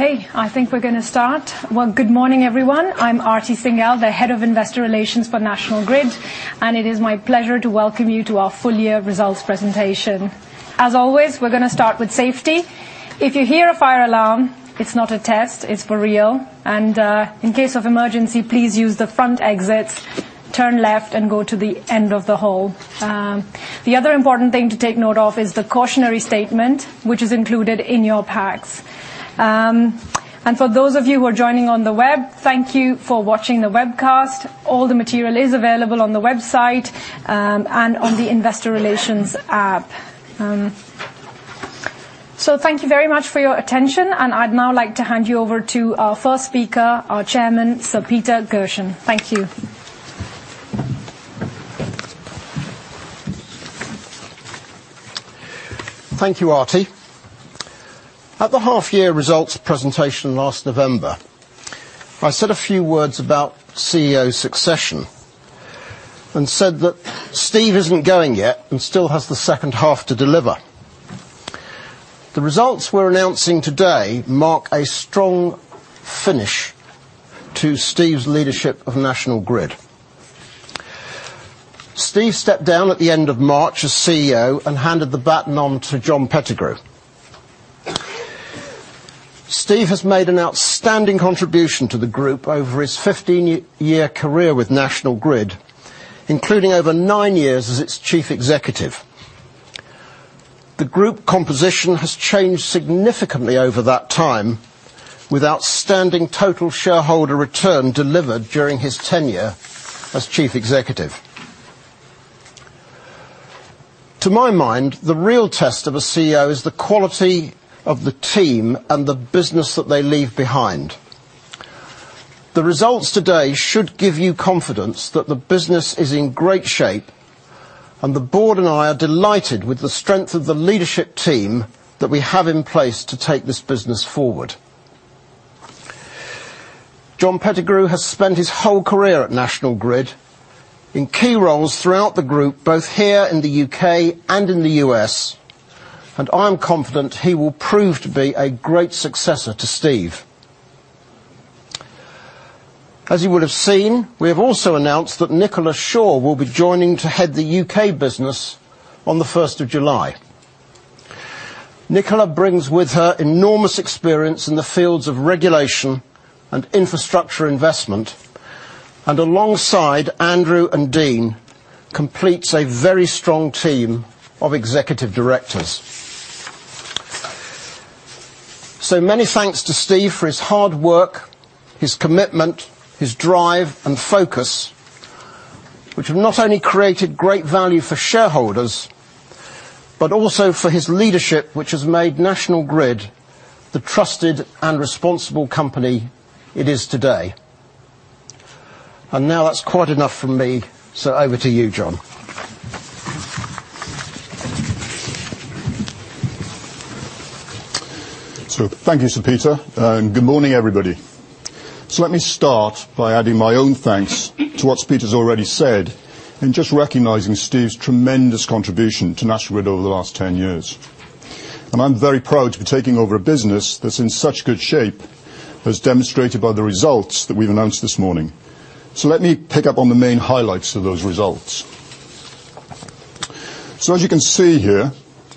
Okay, I think we're going to start. Good morning, everyone. I'm Aarti Singhal, Head of Investor Relations for National Grid, and it is my pleasure to welcome you to our full-year results presentation. As always, we're going to start with safety. If you hear a fire alarm, it's not a test. It's for real. And in case of emergency, please use the front exits, turn left, and go to the end of the hall. The other important thing to take note of is the cautionary statement, which is included in your packs. And for those of you who are joining on the web, thank you for watching the webcast. All the material is available on the website and on the investor relations app. So thank you very much for your attention, and I'd now like to hand you over to our first speaker, our Chairman, Sir Peter Gershon. Thank you. Thank you, Aarti. At the half-year results presentation last November, I said a few words about CEO succession and said that Steve isn't going yet and still has the second half to deliver. The results we're announcing today mark a strong finish to Steve's leadership of National Grid. Steve stepped down at the end of March as CEO and handed the baton on to John Pettigrew. Steve has made an outstanding contribution to the group over his 15-year career with National Grid, including over nine years as its Chief Executive. The group composition has changed significantly over that time with outstanding total shareholder return delivered during his tenure as Chief Executive. To my mind, the real test of a CEO is the quality of the team and the business that they leave behind. The results today should give you confidence that the business is in great shape, and the Board and I are delighted with the strength of the leadership team that we have in place to take this business forward. John Pettigrew has spent his whole career at National Grid in key roles throughout the group, both here in the U.K. and in the U.S., and I am confident he will prove to be a great successor to Steve. As you would have seen, we have also announced that Nicola Shaw will be joining to head the U.K. business on the 1st of July. Nicola brings with her enormous experience in the fields of regulation and infrastructure investment, and alongside Andrew and Dean, completes a very strong team of executive directors. So many thanks to Steve for his hard work, his commitment, his drive, and focus, which have not only created great value for shareholders but also for his leadership, which has made National Grid the trusted and responsible company it is today. And now that's quite enough from me, so over to you, John. So thank you, Sir Peter, and good morning, everybody. So let me start by adding my own thanks to what Peter's already said and just recognizing Steve's tremendous contribution to National Grid over the last 10 years. And I'm very proud to be taking over a business that's in such good shape, as demonstrated by the results that we've announced this morning. So let me pick up on the main highlights of those results. So as you can see here,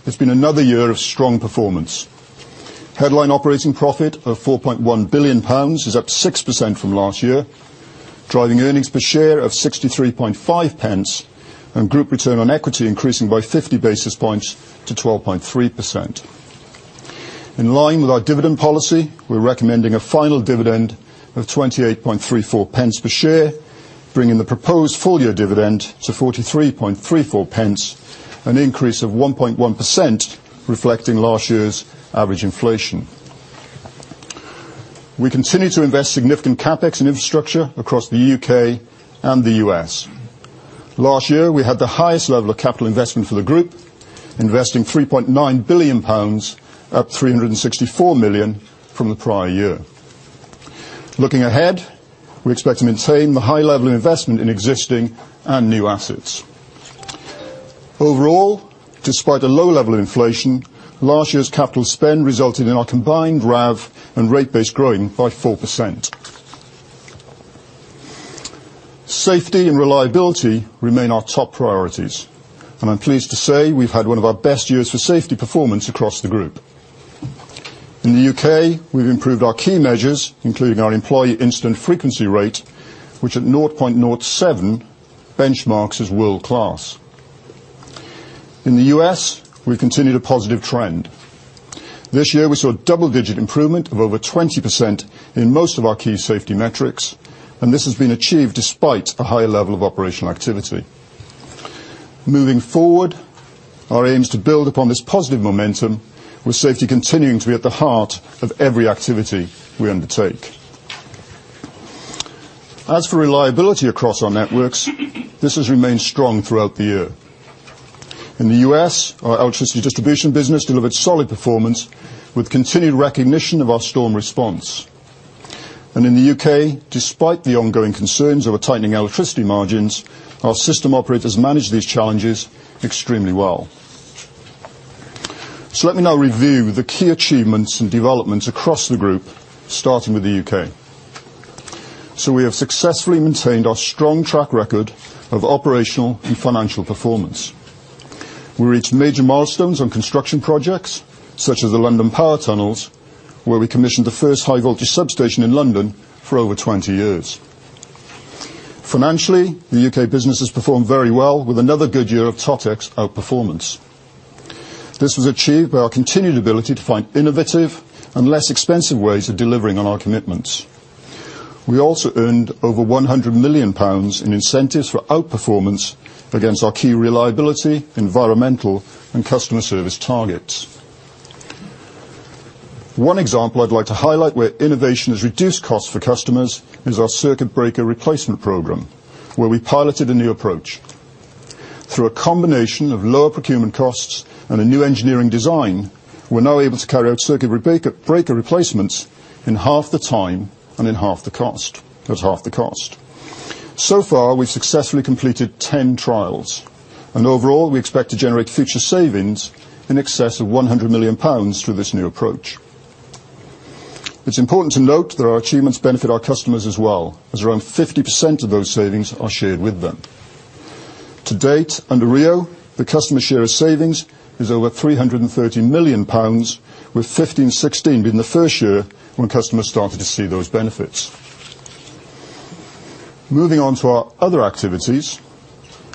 it's been another year of strong performance. Headline operating profit of 4.1 billion pounds is up 6% from last year, driving earnings per share of 0.635, and group return on equity increasing by 50 basis points to 12.3%. In line with our dividend policy, we're recommending a final dividend of 0.2834 per share, bringing the proposed full-year dividend to 0.4334, an increase of 1.1%, reflecting last year's average inflation. We continue to invest significant CapEx in infrastructure across the U.K. and the U.S. Last year, we had the highest level of capital investment for the group, investing 3.9 billion pounds, up 364 million from the prior year. Looking ahead, we expect to maintain the high level of investment in existing and new assets. Overall, despite a low level of inflation, last year's capital spend resulted in our combined RAV and rate base growing by 4%. Safety and reliability remain our top priorities, and I'm pleased to say we've had one of our best years for safety performance across the group. In the U.K., we've improved our key measures, including our Employee Incident Frequency Rate, which at 0.07 benchmarks as world-class. In the U.S., we've continued a positive trend. This year, we saw a double-digit improvement of over 20% in most of our key safety metrics, and this has been achieved despite a higher level of operational activity. Moving forward, our aim is to build upon this positive momentum, with safety continuing to be at the heart of every activity we undertake. As for reliability across our networks, this has remained strong throughout the year. In the U.S., our Electricity Distribution business delivered solid performance with continued recognition of our storm response. And in the U.K., despite the ongoing concerns over tightening electricity margins, our system operators manage these challenges extremely well. So let me now review the key achievements and developments across the group, starting with the U.K. We have successfully maintained our strong track record of operational and financial performance. We reached major milestones on construction projects such as the London Power Tunnels, where we commissioned the first high-voltage substation in London for over 20 years. Financially, the U.K. business has performed very well with another good year of TotEx outperformance. This was achieved by our continued ability to find innovative and less expensive ways of delivering on our commitments. We also earned over 100 million pounds in incentives for outperformance against our key reliability, environmental, and customer service targets. One example I'd like to highlight where innovation has reduced costs for customers is our circuit breaker replacement program, where we piloted a new approach. Through a combination of lower procurement costs and a new engineering design, we're now able to carry out circuit breaker replacements in half the time and in half the cost, at half the cost. So far, we've successfully completed 10 trials, and overall, we expect to generate future savings in excess of 100 million pounds through this new approach. It's important to note that our achievements benefit our customers as well, as around 50% of those savings are shared with them. To date, under RIIO, the customer share of savings is over 330 million pounds, with 2015-2016 being the first year when customers started to see those benefits. Moving on to our other activities,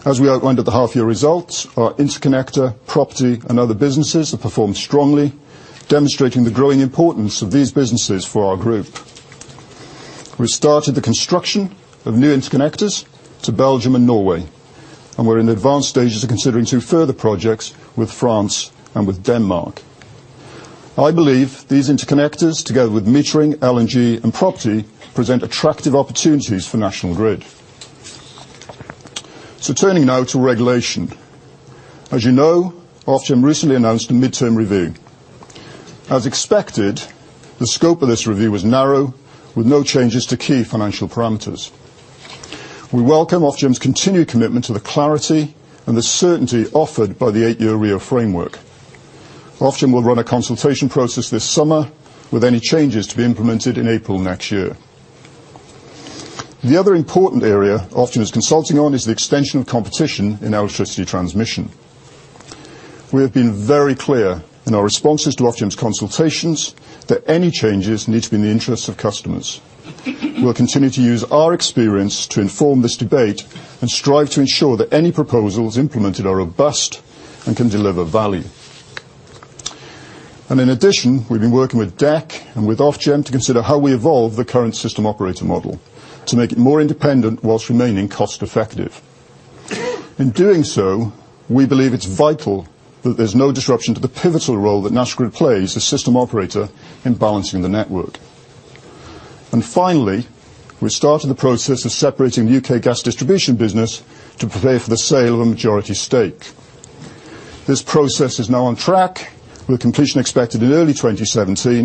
as we outlined at the half-year results, our Interconnector, Property, and other businesses have performed strongly, demonstrating the growing importance of these businesses for our group. We've started the construction of new Interconnectors to Belgium and Norway, and we're in advanced stages of considering two further projects with France and with Denmark. I believe these Interconnectors, together with Metering, LNG, and Property, present attractive opportunities for National Grid. So turning now to regulation. As you know, Ofgem recently announced a mid-term review. As expected, the scope of this review was narrow, with no changes to key financial parameters. We welcome Ofgem's continued commitment to the clarity and the certainty offered by the eight-year RIIO framework. Ofgem will run a consultation process this summer, with any changes to be implemented in April next year. The other important area Ofgem is consulting on is the extension of competition in Electricity Transmission. We have been very clear in our responses to Ofgem's consultations that any changes need to be in the interests of customers. We'll continue to use our experience to inform this debate and strive to ensure that any proposals implemented are robust and can deliver value. And in addition, we've been working with DECC and with Ofgem to consider how we evolve the current system operator model to make it more independent whilst remaining cost-effective. In doing so, we believe it's vital that there's no disruption to the pivotal role that National Grid plays as system operator in balancing the network. And finally, we've started the process of separating the U.K. Gas Distribution business to prepare for the sale of a majority stake. This process is now on track, with completion expected in early 2017,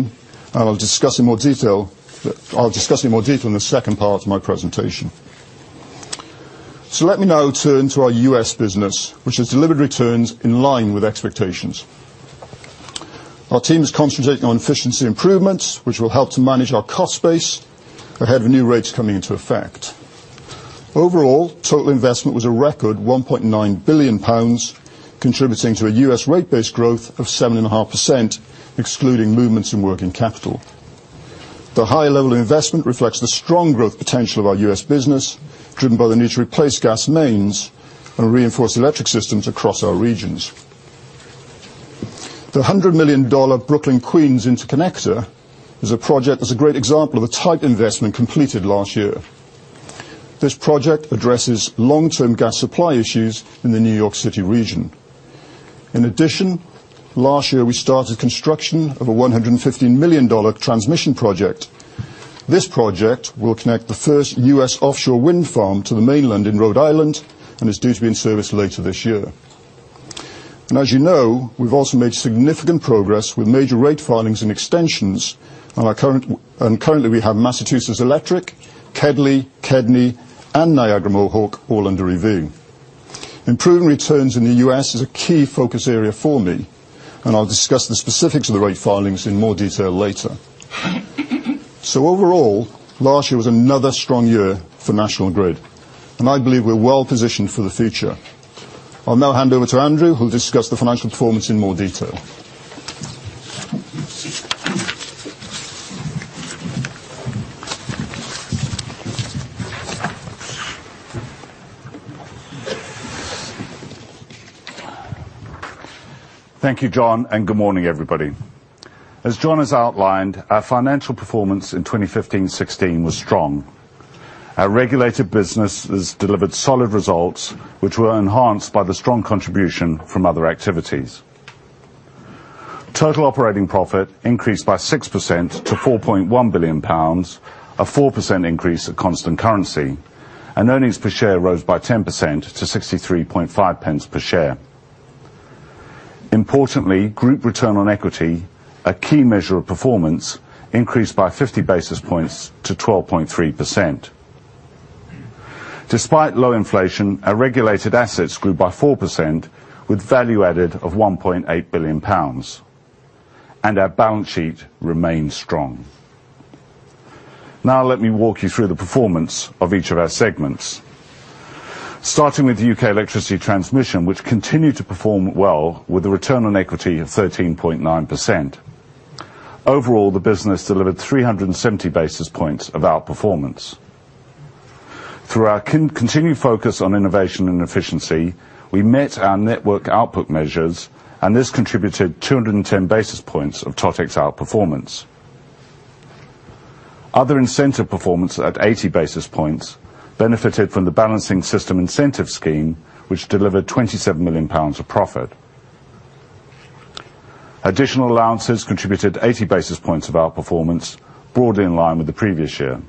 and I'll discuss in more detail in the second part of my presentation. So let me now turn to our U.S. business, which has delivered returns in line with expectations. Our team is concentrating on efficiency improvements, which will help to manage our cost base ahead of new rates coming into effect. Overall, total investment was a record 1.9 billion pounds, contributing to a U.S. rate base growth of 7.5%, excluding movements in working capital. The high level of investment reflects the strong growth potential of our U.S. business, driven by the need to replace gas mains and reinforce electric systems across our regions. The $100 million Brooklyn-Queens Interconnector is a project that's a great example of a tight investment completed last year. This project addresses long-term gas supply issues in the New York City region. In addition, last year, we started construction of a $115 million Transmission project. This project will connect the first U.S. offshore wind farm to the mainland in Rhode Island and is due to be in service later this year. As you know, we've also made significant progress with major rate filings and extensions, and currently, we have Massachusetts Electric, KEDLI, KEDNY, and Niagara Mohawk all under review. Improving returns in the U.S. is a key focus area for me, and I'll discuss the specifics of the rate filings in more detail later. Overall, last year was another strong year for National Grid, and I believe we're well positioned for the future. I'll now hand over to Andrew, who'll discuss the financial performance in more detail. Thank you, John, and good morning, everybody. As John has outlined, our financial performance in 2015-2016 was strong. Our regulated business has delivered solid results, which were enhanced by the strong contribution from other activities. Total operating profit increased by 6% to 4.1 billion pounds, a 4% increase at constant currency, and earnings per share rose by 10% to 0.635 per share. Importantly, group return on equity, a key measure of performance, increased by 50 basis points to 12.3%. Despite low inflation, our regulated assets grew by 4% with value added of 1.8 billion pounds, and our balance sheet remained strong. Now let me walk you through the performance of each of our segments. Starting with the U.K. Electricity Transmission, which continued to perform well with a return on equity of 13.9%. Overall, the business delivered 370 basis points of outperformance. Through our continued focus on innovation and efficiency, we met our Network Output Measures, and this contributed 210 basis points of TotEx outperformance. Other incentive performance at 80 basis points benefited from the Balancing Services Incentive Scheme, which delivered 27 million pounds of profit. Additional allowances contributed 80 basis points of outperformance, broadly in line with the previous year.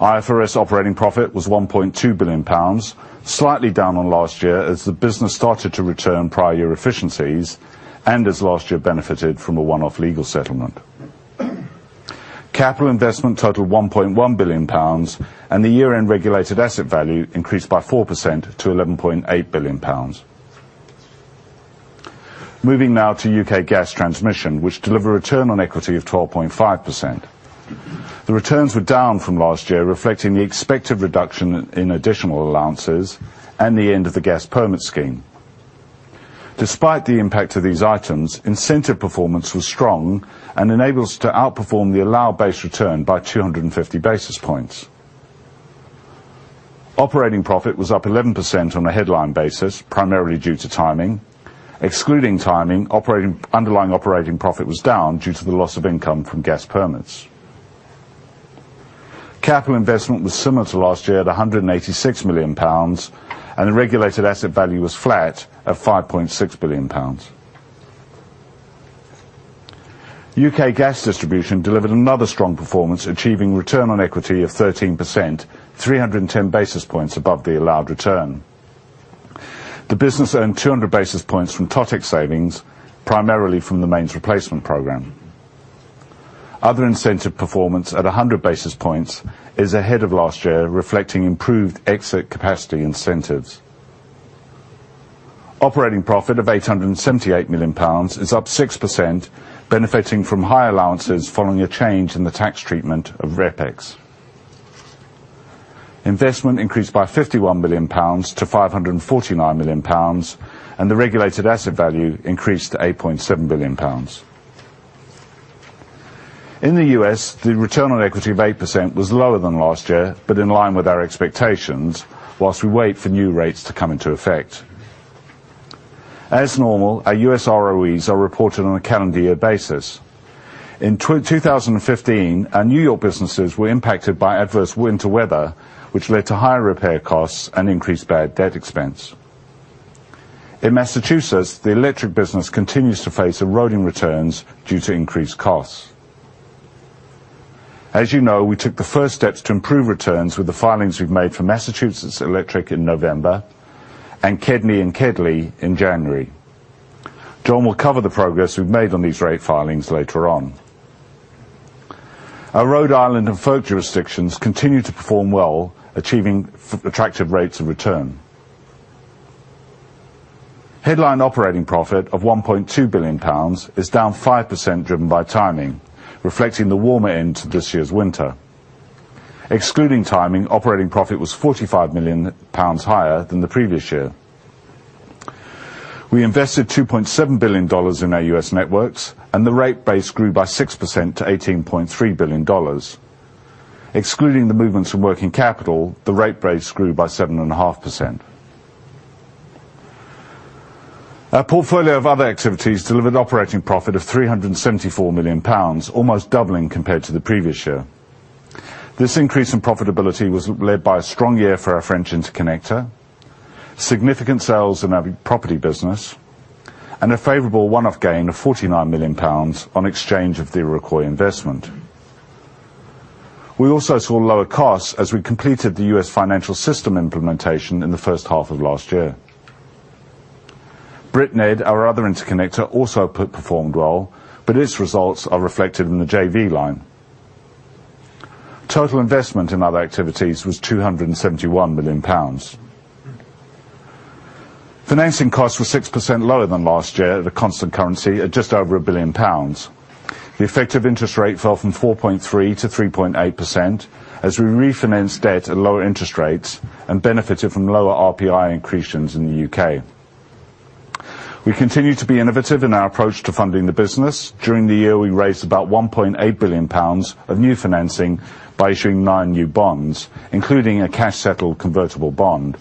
IFRS operating profit was 1.2 billion pounds, slightly down on last year as the business started to return prior-year efficiencies and as last year benefited from a one-off legal settlement. Capital investment totaled 1.1 billion pounds, and the year-end regulated asset value increased by 4% to 11.8 billion pounds. Moving now to U.K. Gas Transmission, which delivered a return on equity of 12.5%. The returns were down from last year, reflecting the expected reduction in additional allowances and the end of the Gas Permit Scheme. Despite the impact of these items, incentive performance was strong and enabled us to outperform the allowed base return by 250 basis points. Operating profit was up 11% on a headline basis, primarily due to timing. Excluding timing, underlying operating profit was down due to the loss of income from gas permits. Capital investment was similar to last year at 186 million pounds, and the regulated asset value was flat at 5.6 billion pounds. U.K. Gas Distribution delivered another strong performance, achieving return on equity of 13%, 310 basis points above the allowed return. The business earned 200 basis points from TotEx savings, primarily from the Mains Replacement program. Other incentive performance at 100 basis points is ahead of last year, reflecting improved exit capacity incentives. Operating profit of 878 million pounds is up 6%, benefiting from high allowances following a change in the tax treatment of RepEx. Investment increased by 51 million pounds to 549 million pounds, and the regulated asset value increased to 8.7 billion pounds. In the U.S., the return on equity of 8% was lower than last year, but in line with our expectations, whilst we wait for new rates to come into effect. As normal, our U.S. ROEs are reported on a calendar year basis. In 2015, our New York businesses were impacted by adverse winter weather, which led to higher repair costs and increased bad debt expense. In Massachusetts, the electric business continues to face eroding returns due to increased costs. As you know, we took the first steps to improve returns with the filings we've made for Massachusetts Electric in November and KEDNY and KEDLI in January. John will cover the progress we've made on these rate filings later on. Our Rhode Island and upstate jurisdictions continue to perform well, achieving attractive rates of return. Headline operating profit of 1.2 billion pounds is down 5%, driven by timing, reflecting the warmer end of this year's winter. Excluding timing, operating profit was 45 million pounds higher than the previous year. We invested $2.7 billion in our U.S. networks, and the rate base grew by 6% to $18.3 billion. Excluding the movements from working capital, the rate base grew by 7.5%. Our portfolio of other activities delivered operating profit of 374 million pounds, almost doubling compared to the previous year. This increase in profitability was led by a strong year for our French Interconnector, significant sales in our Property business, and a favorable one-off gain of 49 million pounds on exchange of the Iroquois investment. We also saw lower costs as we completed the U.S. financial system implementation in the first half of last year. BritNed, our other Interconnector, also performed well, but its results are reflected in the JV line. Total investment in other activities was 271 million pounds. Financing costs were 6% lower than last year at a constant currency at just over 1 billion pounds. The effective interest rate fell from 4.3% to 3.8% as we refinanced debt at lower interest rates and benefited from lower RPI increases in the U.K. We continue to be innovative in our approach to funding the business. During the year, we raised about 1.8 billion pounds of new financing by issuing nine new bonds, including a cash-settled convertible bond.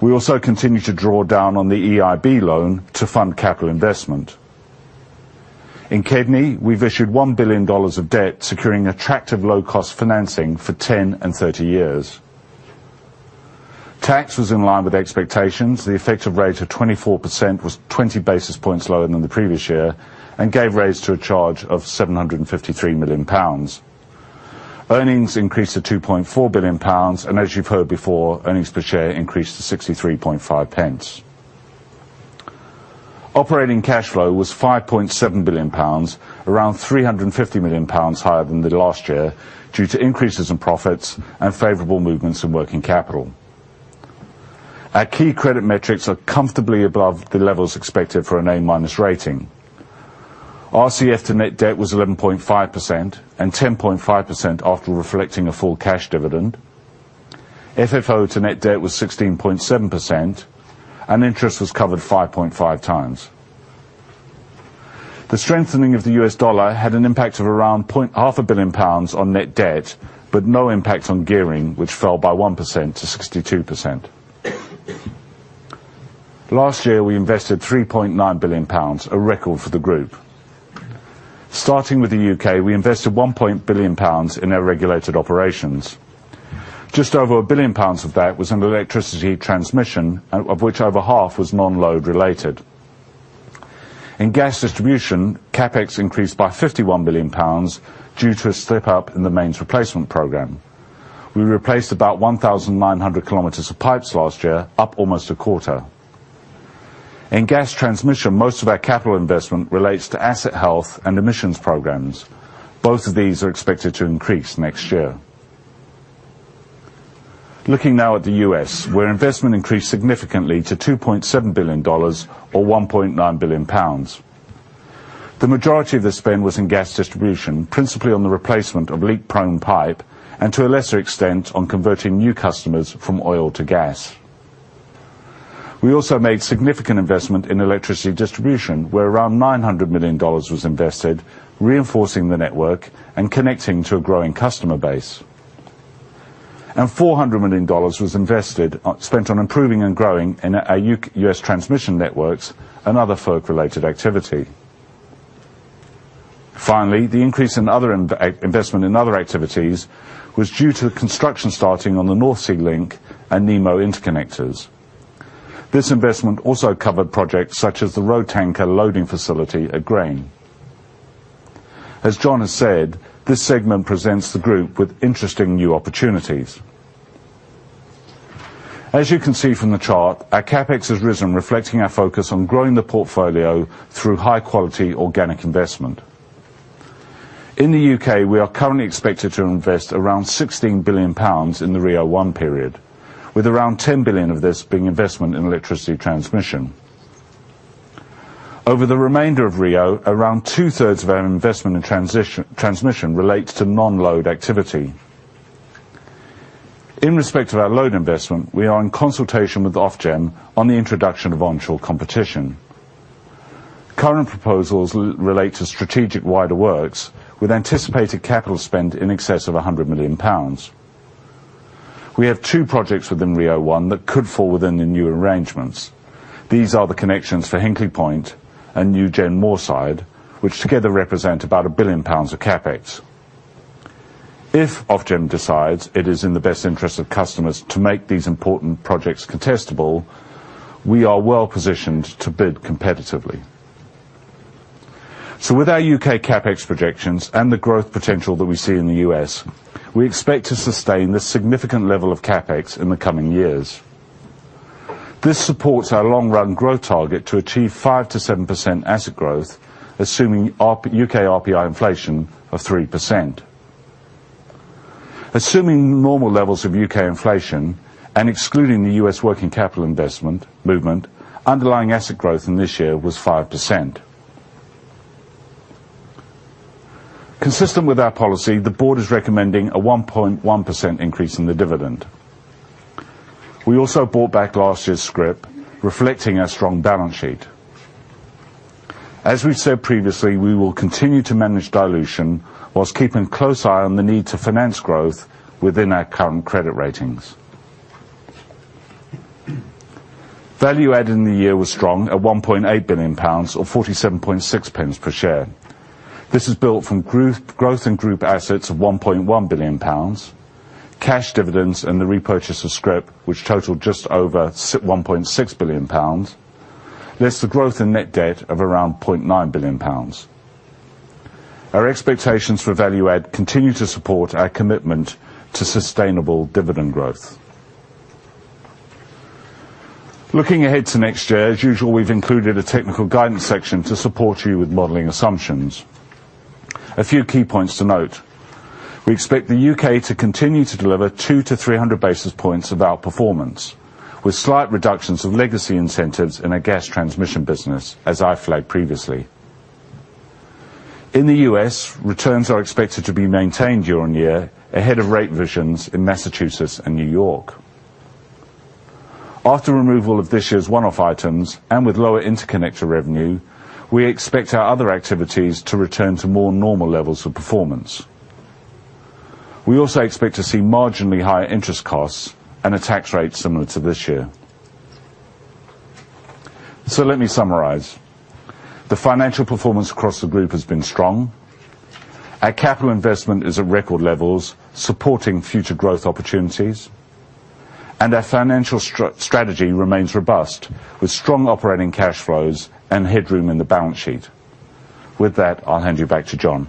We also continue to draw down on the EIB loan to fund capital investment. In KEDNY, we've issued $1 billion of debt, securing attractive low-cost financing for 10 and 30 years. Tax was in line with expectations. The effective rate of 24% was 20 basis points lower than the previous year and gave rise to a charge of GBP 753 million. Earnings increased to GBP 2.4 billion, and as you've heard before, earnings per share increased to 0.635. Operating cash flow was GBP 5.7 billion, around GBP 350 million higher than last year due to increases in profits and favorable movements in working capital. Our key credit metrics are comfortably above the levels expected for an A- rating. RCF to net debt was 11.5% and 10.5% after reflecting a full cash dividend. FFO to net debt was 16.7%, and interest was covered 5.5x. The strengthening of the U.S. dollar had an impact of around 0.5 billion pounds on net debt, but no impact on gearing, which fell by 1% to 62%. Last year, we invested 3.9 billion pounds, a record for the group. Starting with the U.K., we invested 1.0 billion pounds in our regulated operations. Just over 1 billion pounds of that was in Electricity Transmission, of which over half was non-load related. In Gas Distribution, CapEx increased by 51 million pounds due to a step-up in the Mains Replacement program. We replaced about 1,900 km of pipes last year, up almost a quarter. In Gas Transmission, most of our capital investment relates to asset health and emissions programs. Both of these are expected to increase next year. Looking now at the U.S., where investment increased significantly to $2.7 billion or 1.9 billion pounds. The majority of the spend was in Gas Distribution, principally on the replacement of leak-prone pipe and, to a lesser extent, on converting new customers from oil to gas. We also made significant investment in Electricity Distribution, where around $900 million was invested, reinforcing the network and connecting to a growing customer base, and $400 million was spent on improving and growing in our U.S. Transmission networks and other non-regulated activity. Finally, the increase in investment in other activities was due to construction starting on the North Sea Link and Nemo Link Interconnectors. This investment also covered projects such as the Road Tanker Loading Facility at Grain. As John has said, this segment presents the group with interesting new opportunities. As you can see from the chart, our CapEx has risen, reflecting our focus on growing the portfolio through high-quality organic investment. In the U.K., we are currently expected to invest around 16 billion pounds in the RIIO-1 period, with around 10 billion of this being investment in Electricity Transmission. Over the remainder of RIIO, around two-thirds of our investment in Transmission relates to non-load activity. In respect of our load investment, we are in consultation with Ofgem on the introduction of onshore competition. Current proposals relate to Strategic Wider Works, with anticipated capital spend in excess of 100 million pounds. We have two projects within RIIO-1 that could fall within the new arrangements. These are the connections for Hinkley Point and NuGen Moorside, which together represent about 1 billion pounds of CapEx. If Ofgem decides it is in the best interest of customers to make these important projects contestable, we are well positioned to bid competitively. So, with our U.K. CapEx projections and the growth potential that we see in the U.S., we expect to sustain this significant level of CapEx in the coming years. This supports our long-run growth target to achieve 5%-7% asset growth, assuming U.K. RPI inflation of 3%. Assuming normal levels of U.K. inflation and excluding the U.S. working capital movement, underlying asset growth in this year was 5%. Consistent with our policy, the Board is recommending a 1.1% increase in the dividend. We also brought back last year's scrip, reflecting our strong balance sheet. As we've said previously, we will continue to manage dilution whilst keeping a close eye on the need to finance growth within our current credit ratings. Value added in the year was strong at 1.8 billion pounds or 0.476 per share. This is built from growth in group assets of 1.1 billion pounds, cash dividends, and the repurchase of scrip, which totaled just over 1.6 billion pounds, less the growth in net debt of around 0.9 billion pounds. Our expectations for value added continue to support our commitment to sustainable dividend growth. Looking ahead to next year, as usual, we've included a technical guidance section to support you with modeling assumptions. A few key points to note: we expect the U.K. to continue to deliver 200 basis points-300 basis points of outperformance, with slight reductions of legacy incentives in our Gas Transmission business, as I flagged previously. In the U.S., returns are expected to be maintained year on year ahead of rate revisions in Massachusetts and New York. After removal of this year's one-off items and with lower Interconnector revenue, we expect our other activities to return to more normal levels of performance. We also expect to see marginally higher interest costs and a tax rate similar to this year. Let me summarize. The financial performance across the group has been strong. Our capital investment is at record levels, supporting future growth opportunities, and our financial strategy remains robust, with strong operating cash flows and headroom in the balance sheet. With that, I'll hand you back to John.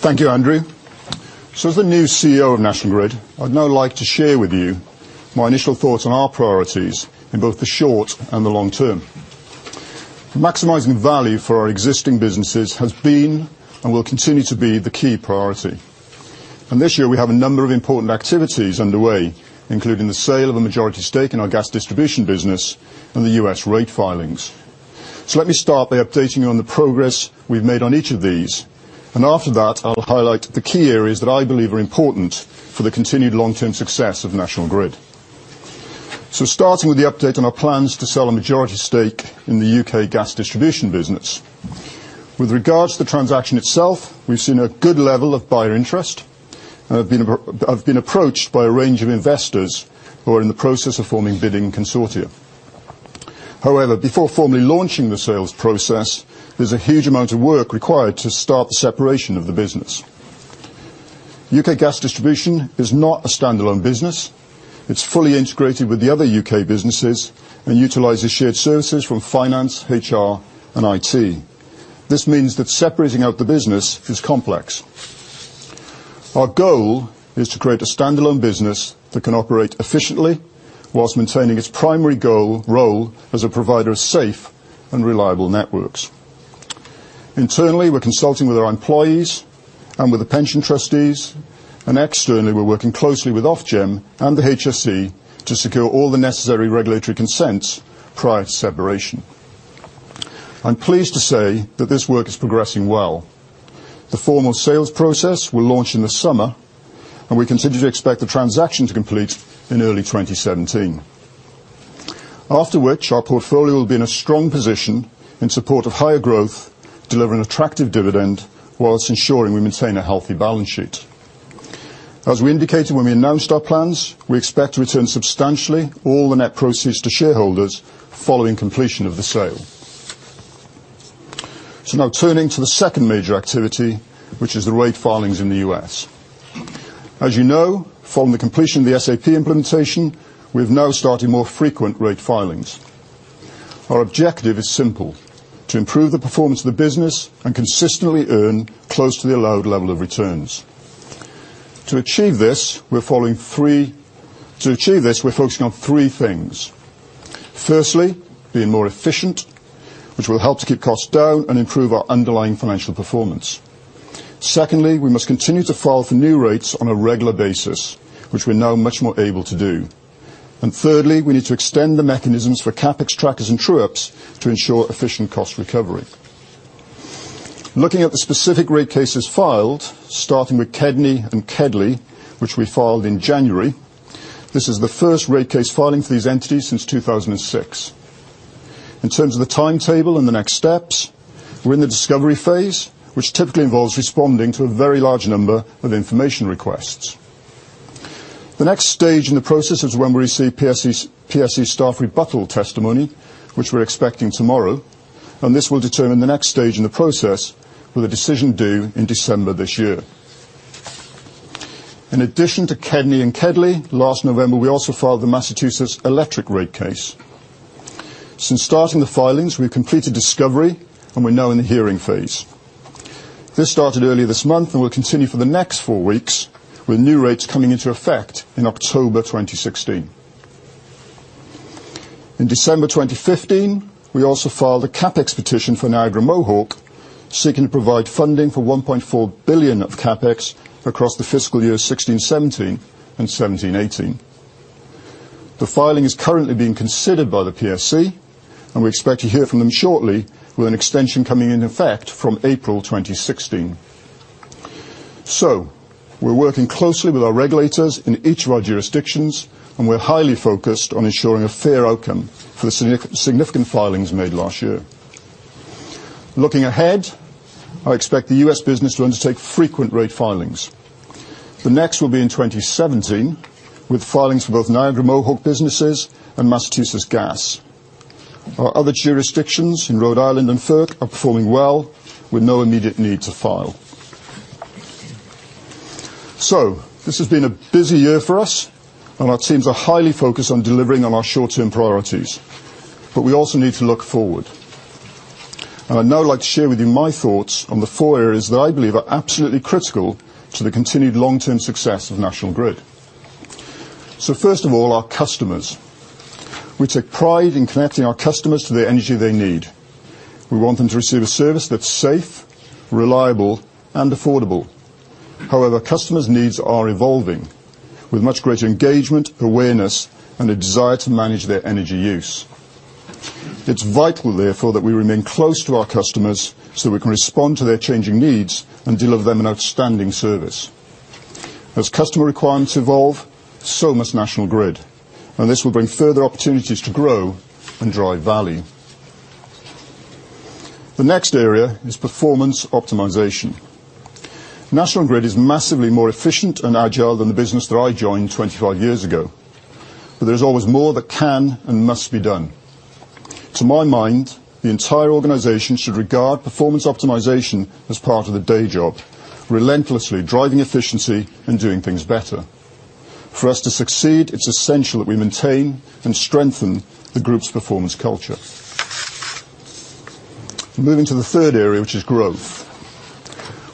Thank you, Andrew. As the new CEO of National Grid, I'd now like to share with you my initial thoughts on our priorities in both the short and the long term. Maximizing value for our existing businesses has been and will continue to be the key priority, and this year, we have a number of important activities underway, including the sale of a majority stake in our Gas Distribution business and the U.S. rate filings, so let me start by updating you on the progress we've made on each of these, and after that, I'll highlight the key areas that I believe are important for the continued long-term success of National Grid, so starting with the update on our plans to sell a majority stake in the U.K. Gas Distribution business. With regards to the transaction itself, we've seen a good level of buyer interest and have been approached by a range of investors who are in the process of forming bidding consortia. However, before formally launching the sales process, there's a huge amount of work required to start the separation of the business. U.K. Gas Distribution is not a standalone business. It's fully integrated with the other U.K. businesses and utilizes shared services from finance, HR, and IT. This means that separating out the business is complex. Our goal is to create a standalone business that can operate efficiently whilst maintaining its primary role as a provider of safe and reliable networks. Internally, we're consulting with our employees and with the pension trustees, and externally, we're working closely with Ofgem and the HSE to secure all the necessary regulatory consents prior to separation. I'm pleased to say that this work is progressing well. The formal sales process will launch in the summer, and we continue to expect the transaction to complete in early 2017, after which our portfolio will be in a strong position in support of higher growth, delivering attractive dividend while ensuring we maintain a healthy balance sheet. As we indicated when we announced our plans, we expect to return substantially all the net proceeds to shareholders following completion of the sale. So, now turning to the second major activity, which is the rate filings in the U.S. As you know, following the completion of the SAP implementation, we've now started more frequent rate filings. Our objective is simple: to improve the performance of the business and consistently earn close to the allowed level of returns. To achieve this, we're focusing on three things. Firstly, being more efficient, which will help to keep costs down and improve our underlying financial performance. Secondly, we must continue to file for new rates on a regular basis, which we're now much more able to do. And thirdly, we need to extend the mechanisms for CapEx trackers and true-ups to ensure efficient cost recovery. Looking at the specific rate cases filed, starting with KEDNY and KEDLI, which we filed in January, this is the first rate case filing for these entities since 2006. In terms of the timetable and the next steps, we're in the discovery phase, which typically involves responding to a very large number of information requests. The next stage in the process is when we receive PSC staff rebuttal testimony, which we're expecting tomorrow, and this will determine the next stage in the process with a decision due in December this year. In addition to KEDNY and KEDLI, last November, we also filed the Massachusetts Electric rate case. Since starting the filings, we have completed discovery, and we are now in the hearing phase. This started earlier this month and will continue for the next four weeks, with new rates coming into effect in October 2016. In December 2015, we also filed a CapEx petition for Niagara Mohawk, seeking to provide funding for 1.4 billion of CapEx across the fiscal years 2016-2017 and 2017-2018. The filing is currently being considered by the PSC, and we expect to hear from them shortly, with an extension coming into effect from April 2016. We are working closely with our regulators in each of our jurisdictions, and we are highly focused on ensuring a fair outcome for the significant filings made last year. Looking ahead, I expect the U.S. business to undertake frequent rate filings. The next will be in 2017, with filings for both Niagara Mohawk businesses and Massachusetts Gas. Our other jurisdictions in Rhode Island and New York are performing well, with no immediate need to file, so this has been a busy year for us, and our teams are highly focused on delivering on our short-term priorities, but we also need to look forward, and I'd now like to share with you my thoughts on the four areas that I believe are absolutely critical to the continued long-term success of National Grid, so first of all, our customers. We take pride in connecting our customers to the energy they need. We want them to receive a service that's safe, reliable, and affordable. However, customers' needs are evolving, with much greater engagement, awareness, and a desire to manage their energy use. It's vital, therefore, that we remain close to our customers so we can respond to their changing needs and deliver them an outstanding service. As customer requirements evolve, so must National Grid, and this will bring further opportunities to grow and drive value. The next area is performance optimization. National Grid is massively more efficient and agile than the business that I joined 25 years ago, but there's always more that can and must be done. To my mind, the entire organization should regard performance optimization as part of the day job, relentlessly driving efficiency and doing things better. For us to succeed, it's essential that we maintain and strengthen the group's performance culture. Moving to the third area, which is growth.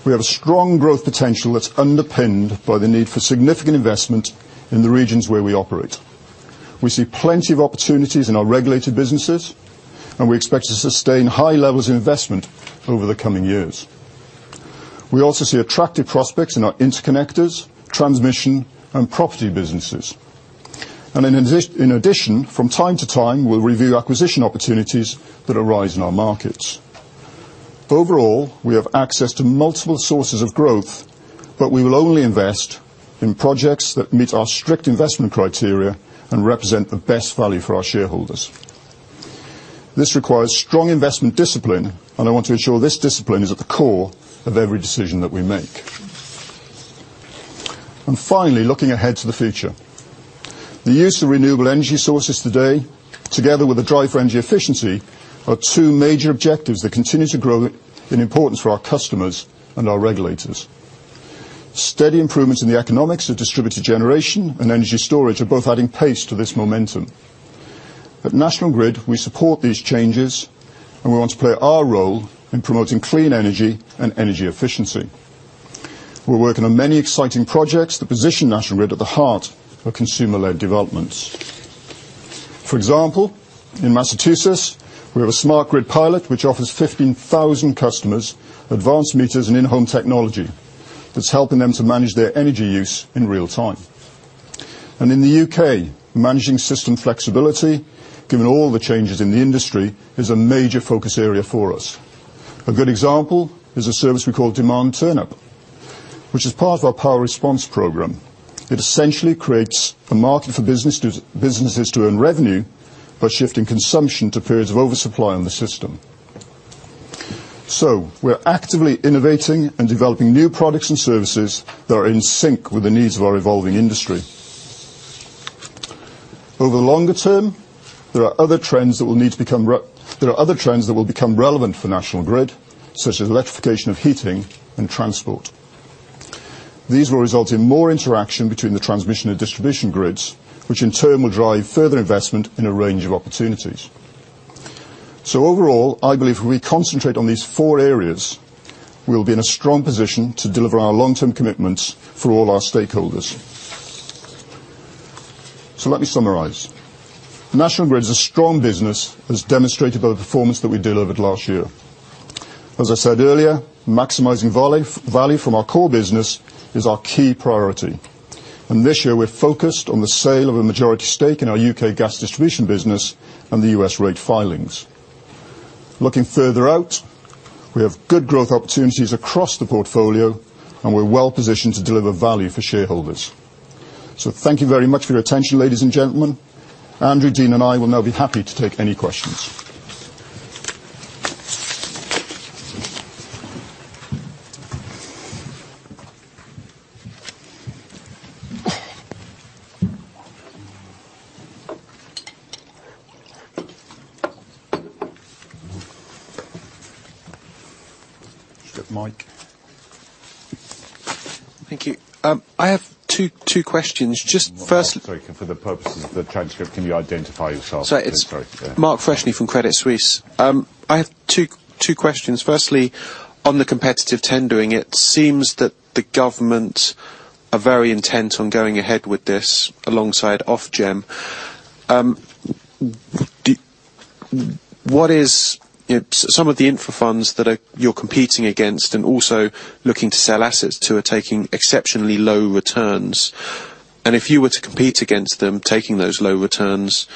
We have a strong growth potential that's underpinned by the need for significant investment in the regions where we operate. We see plenty of opportunities in our regulated businesses, and we expect to sustain high levels of investment over the coming years. We also see attractive prospects in our Interconnectors, Transmission, and Property businesses. And in addition, from time to time, we'll review acquisition opportunities that arise in our markets. Overall, we have access to multiple sources of growth, but we will only invest in projects that meet our strict investment criteria and represent the best value for our shareholders. This requires strong investment discipline, and I want to ensure this discipline is at the core of every decision that we make. And finally, looking ahead to the future, the use of renewable energy sources today, together with the drive for energy efficiency, are two major objectives that continue to grow in importance for our customers and our regulators. Steady improvements in the economics of distributed generation and energy storage are both adding pace to this momentum. At National Grid, we support these changes, and we want to play our role in promoting clean energy and energy efficiency. We're working on many exciting projects that position National Grid at the heart of consumer-led developments. For example, in Massachusetts, we have a smart grid pilot which offers 15,000 customers advanced meters and in-home technology that's helping them to manage their energy use in real time, and in the U.K., managing system flexibility, given all the changes in the industry, is a major focus area for us. A good example is a service we call Demand Turn Up, which is part of our Power Responsive program. It essentially creates a market for businesses to earn revenue by shifting consumption to periods of oversupply on the system. We're actively innovating and developing new products and services that are in sync with the needs of our evolving industry. Over the longer term, there are other trends that will need to become relevant for National Grid, such as electrification of heating and transport. These will result in more interaction between the Transmission and Distribution grids, which in turn will drive further investment in a range of opportunities. Overall, I believe if we concentrate on these four areas, we'll be in a strong position to deliver our long-term commitments for all our stakeholders. Let me summarize. National Grid is a strong business, as demonstrated by the performance that we delivered last year. As I said earlier, maximizing value from our core business is our key priority. And this year, we're focused on the sale of a majority stake in our U.K. Gas Distribution business and the U.S. rate filings. Looking further out, we have good growth opportunities across the portfolio, and we're well positioned to deliver value for shareholders. So, thank you very much for your attention, ladies and gentlemen. Andrew, Dean, and I will now be happy to take any questions. Thank you. I have two questions. Just firstly. Sorry, for the purposes of the transcript, can you identify yourself? Sorry. It's Mark Freshney from Credit Suisse. I have two questions. Firstly, on the competitive tendering, it seems that the government are very intent on going ahead with this alongside Ofgem. What are some of the infra funds that you're competing against and also looking to sell assets to are taking exceptionally low returns? If you were to compete against them taking those low returns,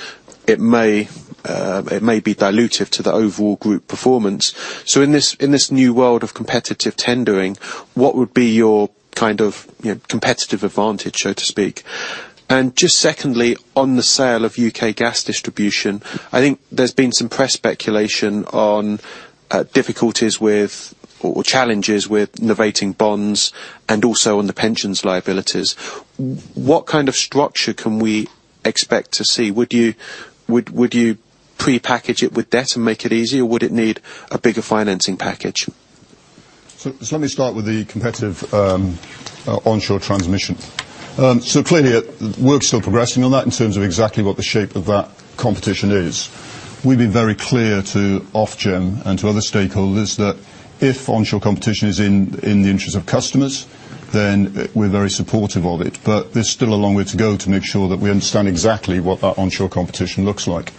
it may be dilutive to the overall group performance. In this new world of competitive tendering, what would be your kind of competitive advantage, so to speak? Just secondly, on the sale of U.K. Gas Distribution, I think there's been some press speculation on difficulties with or challenges with novating bonds and also on the pensions liabilities. What kind of structure can we expect to see? Would you prepackage it with debt and make it easy, or would it need a bigger financing package? Let me start with the competitive onshore Transmission. Clearly, we're still progressing on that in terms of exactly what the shape of that competition is. We've been very clear to Ofgem and to other stakeholders that if onshore competition is in the interest of customers, then we're very supportive of it. But there's still a long way to go to make sure that we understand exactly what that onshore competition looks like.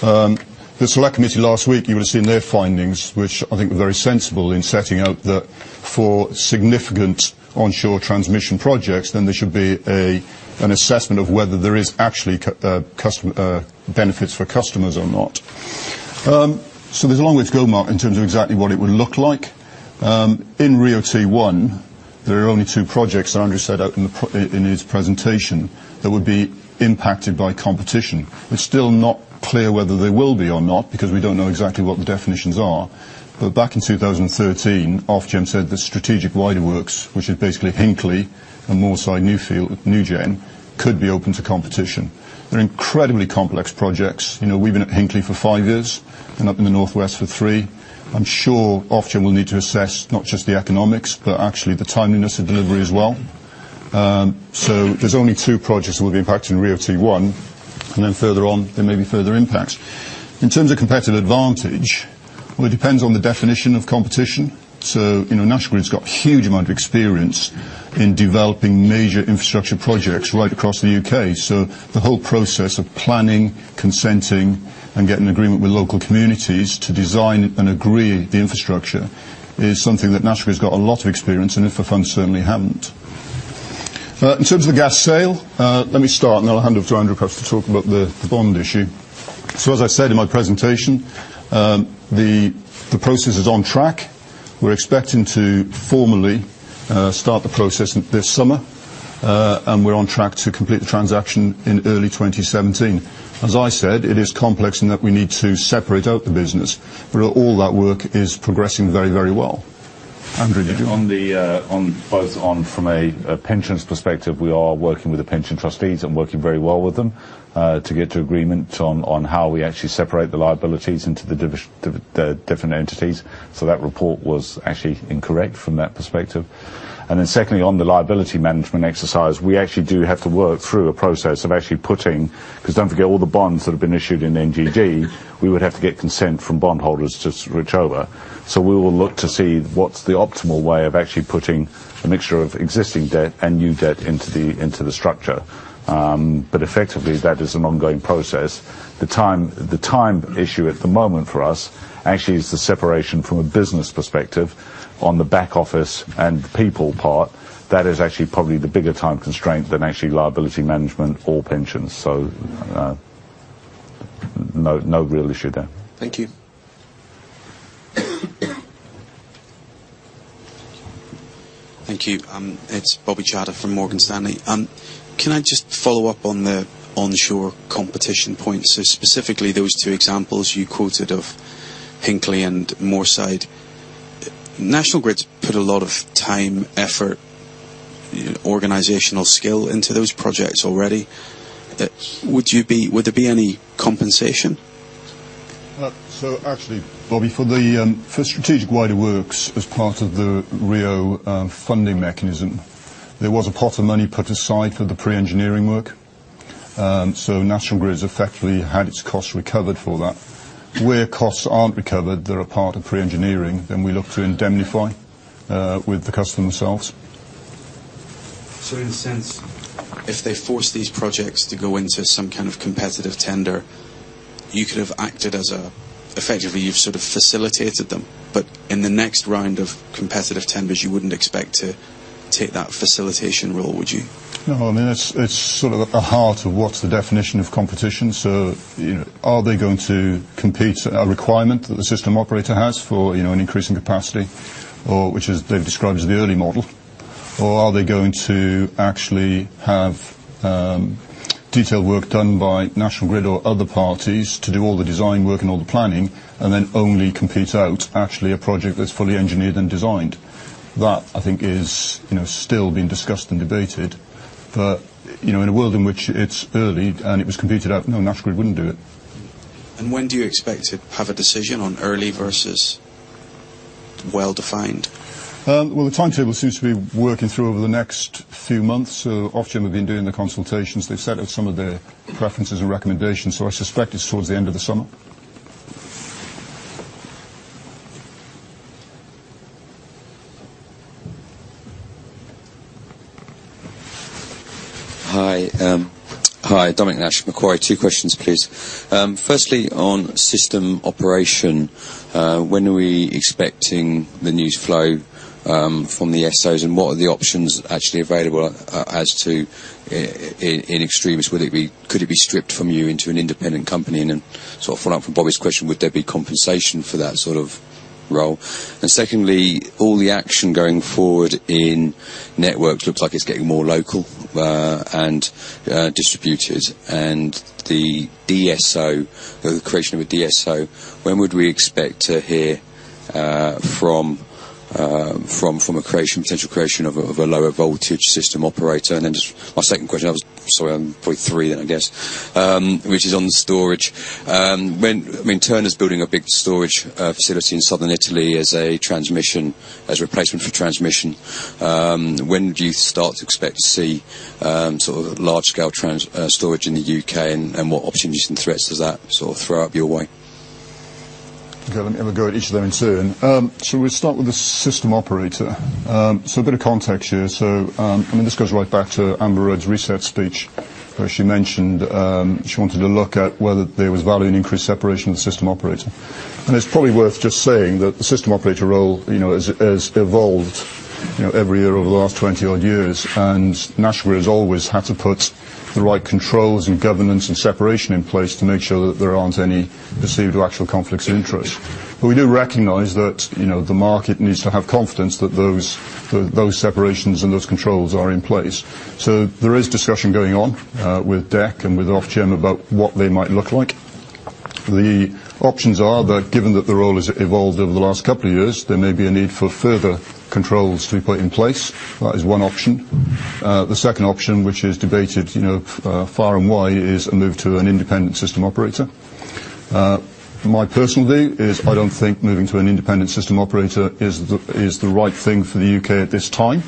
The Select Committee last week, you would have seen their findings, which I think were very sensible in setting out that for significant onshore Transmission projects, then there should be an assessment of whether there are actually benefits for customers or not. So, there's a long way to go, Mark, in terms of exactly what it would look like. In RIIO-T1, there are only two projects, Andrew said in his presentation, that would be impacted by competition. It's still not clear whether there will be or not because we don't know exactly what the definitions are. Back in 2013, Ofgem said the Strategic Wider Works, which is basically Hinkley and Moorside NuGen, could be open to competition. They're incredibly complex projects. We've been at Hinkley for five years and up in the northwest for three. I'm sure Ofgem will need to assess not just the economics, but actually the timeliness of delivery as well. There's only two projects that will be impacted in RIIO-T1, and then further on, there may be further impacts. In terms of competitive advantage, it depends on the definition of competition. National Grid's got a huge amount of experience in developing major infrastructure projects right across the U.K. The whole process of planning, consenting, and getting an agreement with local communities to design and agree the infrastructure is something that National Grid's got a lot of experience, and infra funds certainly haven't. In terms of the gas sale, let me start, and then I'll hand over to Andrew to talk about the bond issue. So, as I said in my presentation, the process is on track. We're expecting to formally start the process this summer, and we're on track to complete the transaction in early 2017. As I said, it is complex in that we need to separate out the business, but all that work is progressing very, very well. Andrew, did you? On both from a pensions perspective, we are working with the pension trustees and working very well with them to get to agreement on how we actually separate the liabilities into the different entities. So, that report was actually incorrect from that perspective. And then, secondly, on the liability management exercise, we actually do have to work through a process of actually putting because don't forget, all the bonds that have been issued in NGG, we would have to get consent from bondholders to switch over. So, we will look to see what's the optimal way of actually putting a mixture of existing debt and new debt into the structure. But effectively, that is an ongoing process. The time issue at the moment for us actually is the separation from a business perspective on the back office and people part. That is actually probably the bigger time constraint than actually liability management or pensions. So, no real issue there. Thank you. Thank you. It's Bobby Chada from Morgan Stanley. Can I just follow up on the onshore competition points? So, specifically, those two examples you quoted of Hinkley and Moorside, National Grid's put a lot of time, effort, organizational skill into those projects already. Would there be any compensation? So, actually, Bobby, for the Strategic Wider Works as part of the RIIO funding mechanism, there was a pot of money put aside for the pre-engineering work. So, National Grid's effectively had its costs recovered for that. Where costs aren't recovered, they're a part of pre-engineering, then we look to indemnify with the customer themselves. So, in a sense, if they force these projects to go into some kind of competitive tender, you could have acted as a effectively, you've sort of facilitated them. But in the next round of competitive tenders, you wouldn't expect to take that facilitation role, would you? No, I mean, it's sort of at the heart of what's the definition of competition. So, are they going to compete for a requirement that the system operator has for an increase in capacity, which they've described as the early model? Or are they going to actually have detailed work done by National Grid or other parties to do all the design work and all the planning, and then only compete out actually a project that's fully engineered and designed? That, I think, is still being discussed and debated. But in a world in which it's early and it was competed out, no, National Grid wouldn't do it. And when do you expect to have a decision on early versus well-defined? Well, the timetable seems to be working through over the next few months. So, Ofgem have been doing the consultations. They've set out some of their preferences and recommendations. So, I suspect it's towards the end of the summer. Hi. Hi, Dominic Nash, Macquarie. Two questions, please. Firstly, on system operation, when are we expecting the news flow from DSO, and what are the options actually available as to in extremis? Could it be stripped from you into an independent company? And then, sort of following up from Bobby's question, would there be compensation for that sort of role? And secondly, all the action going forward in networks looks like it's getting more local and distributed. And the DSO, the creation of a DSO, when would we expect to hear from a potential creation of a lower voltage system operator? And then just my second question, sorry, on point three then, I guess, which is on storage. I mean, Terna's building a big storage facility in southern Italy as a replacement for Transmission. When do you start to expect to see sort of large-scale storage in the U.K., and what opportunities and threats does that sort of throw up your way? I'm going to go at each of them in turn. So, we'll start with the system operator. So, a bit of context here. So, I mean, this goes right back to Amber Rudd's reset speech where she mentioned she wanted to look at whether there was value in increased separation of the system operator. And it's probably worth just saying that the system operator role has evolved every year over the last 20-odd years, and National Grid has always had to put the right controls and governance and separation in place to make sure that there aren't any perceived or actual conflicts of interest. But we do recognize that the market needs to have confidence that those separations and those controls are in place. So, there is discussion going on with DECC and with Ofgem about what they might look like. The options are that given that the role has evolved over the last couple of years, there may be a need for further controls to be put in place. That is one option. The second option, which is debated far and wide, is a move to an independent system operator. My personal view is I don't think moving to an independent system operator is the right thing for the U.K. at this time.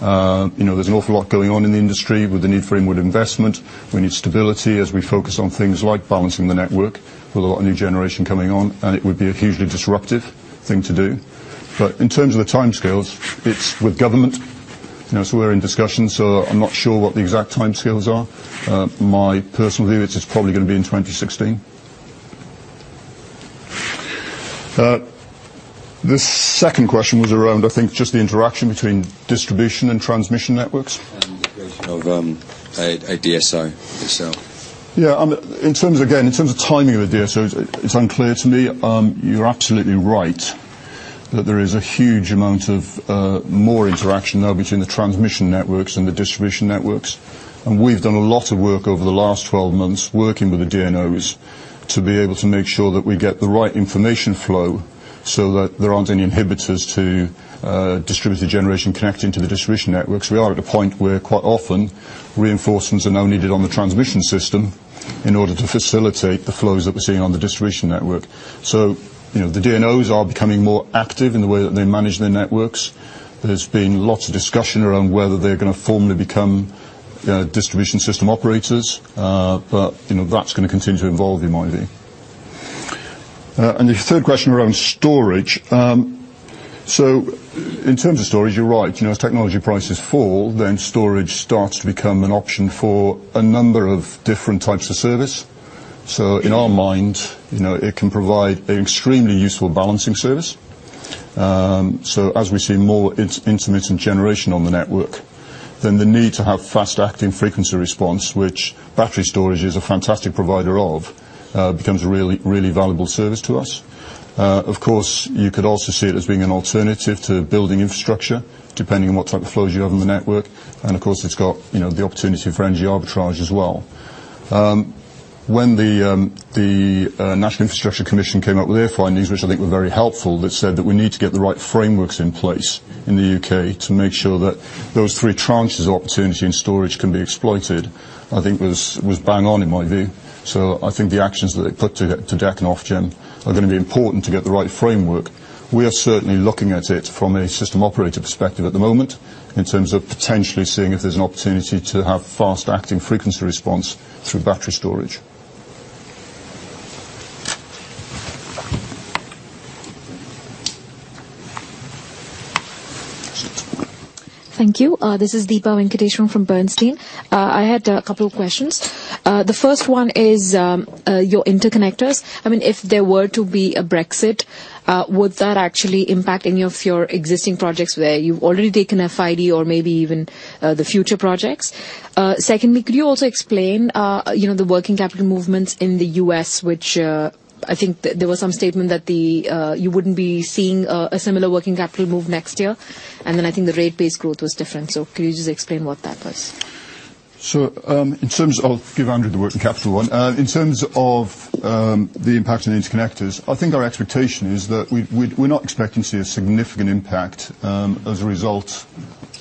There's an awful lot going on in the industry with the need for inward investment. We need stability as we focus on things like balancing the network with a lot of new generation coming on, and it would be a hugely disruptive thing to do, but in terms of the timescales, it's with government, so we're in discussion, so I'm not sure what the exact timescales are. My personal view is it's probably going to be in 2016. The second question was around, I think, just the interaction between Distribution and Transmission networks? And the creation of a DSO itself. Yeah. Again, in terms of timing of the DSO, it's unclear to me. You're absolutely right that there is a huge amount of more interaction now between the Transmission networks and the Distribution networks. And we've done a lot of work over the last 12 months working with the DNOs to be able to make sure that we get the right information flow so that there aren't any inhibitors to distributed generation connecting to the Distribution networks. We are at a point where quite often, reinforcements are now needed on the Transmission system in order to facilitate the flows that we're seeing on the Distribution network. So, the DNOs are becoming more active in the way that they manage their networks. There's been lots of discussion around whether they're going to formally become Distribution System Operators, but that's going to continue to evolve, in my view. And the third question around storage. So, in terms of storage, you're right. As technology prices fall, then storage starts to become an option for a number of different types of service. In our mind, it can provide an extremely useful balancing service. As we see more intermittent generation on the network, then the need to have fast-acting frequency response, which battery storage is a fantastic provider of, becomes a really valuable service to us. Of course, you could also see it as being an alternative to building infrastructure, depending on what type of flows you have on the network. Of course, it's got the opportunity for energy arbitrage as well. When the National Infrastructure Commission came up with their findings, which I think were very helpful, that said that we need to get the right frameworks in place in the U.K. to make sure that those three tranches of opportunity in storage can be exploited, I think was bang on, in my view. I think the actions that they put to DECC and Ofgem are going to be important to get the right framework. We are certainly looking at it from a system operator perspective at the moment in terms of potentially seeing if there's an opportunity to have fast-acting frequency response through battery storage. Thank you. This is Deepa Venkateswaran from Bernstein. I had a couple of questions. The first one is your Interconnectors. I mean, if there were to be a Brexit, would that actually impact any of your existing projects where you've already taken FID or maybe even the future projects? Secondly, could you also explain the working capital movements in the U.S., which I think there was some statement that you wouldn't be seeing a similar working capital move next year? And then I think the rate base growth was different. Could you just explain what that was? So, in terms of, I'll give Andrew the working capital one. In terms of the impact on Interconnectors, I think our expectation is that we're not expecting to see a significant impact as a result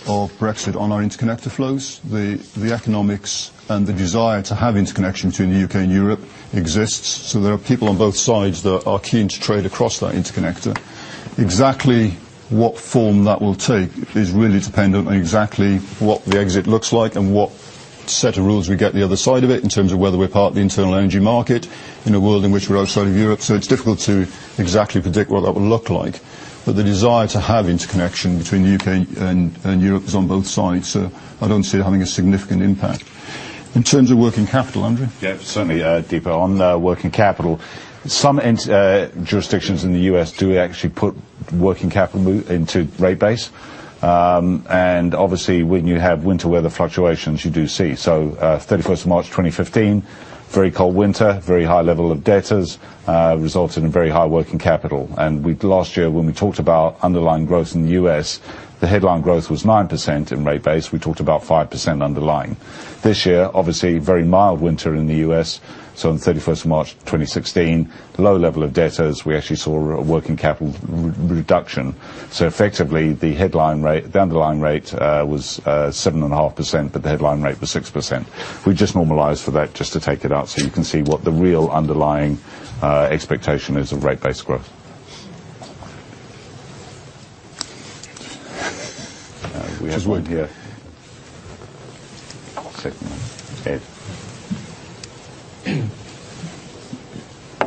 of Brexit on our Interconnector flows. The economics and the desire to have interconnection between the U.K. and Europe exists. So, there are people on both sides that are keen to trade across that Interconnector. Exactly what form that will take is really dependent on exactly what the exit looks like and what set of rules we get the other side of it in terms of whether we're part of the internal energy market in a world in which we're outside of Europe. So, it's difficult to exactly predict what that will look like. But the desire to have interconnection between the U.K. and Europe is on both sides. I don't see it having a significant impact. In terms of working capital, Andrew? Yeah, certainly, Deepa, on working capital. Some jurisdictions in the U.S. do actually put working capital into rate base. And obviously, when you have winter weather fluctuations, you do see. 31st of March 2015, very cold winter, very high level of debtors resulted in very high working capital. Last year, when we talked about underlying growth in the U.S., the headline growth was 9% in rate base. We talked about 5% underlying. This year, obviously, very mild winter in the U.S. On 31st of March 2016, low level of debtors, we actually saw a working capital reduction. Effectively, the underlying rate was 7.5%, but the headline rate was 6%. We just normalized for that just to take it out so you can see what the real underlying expectation is of rate base growth. We have one here. Second one. Ed.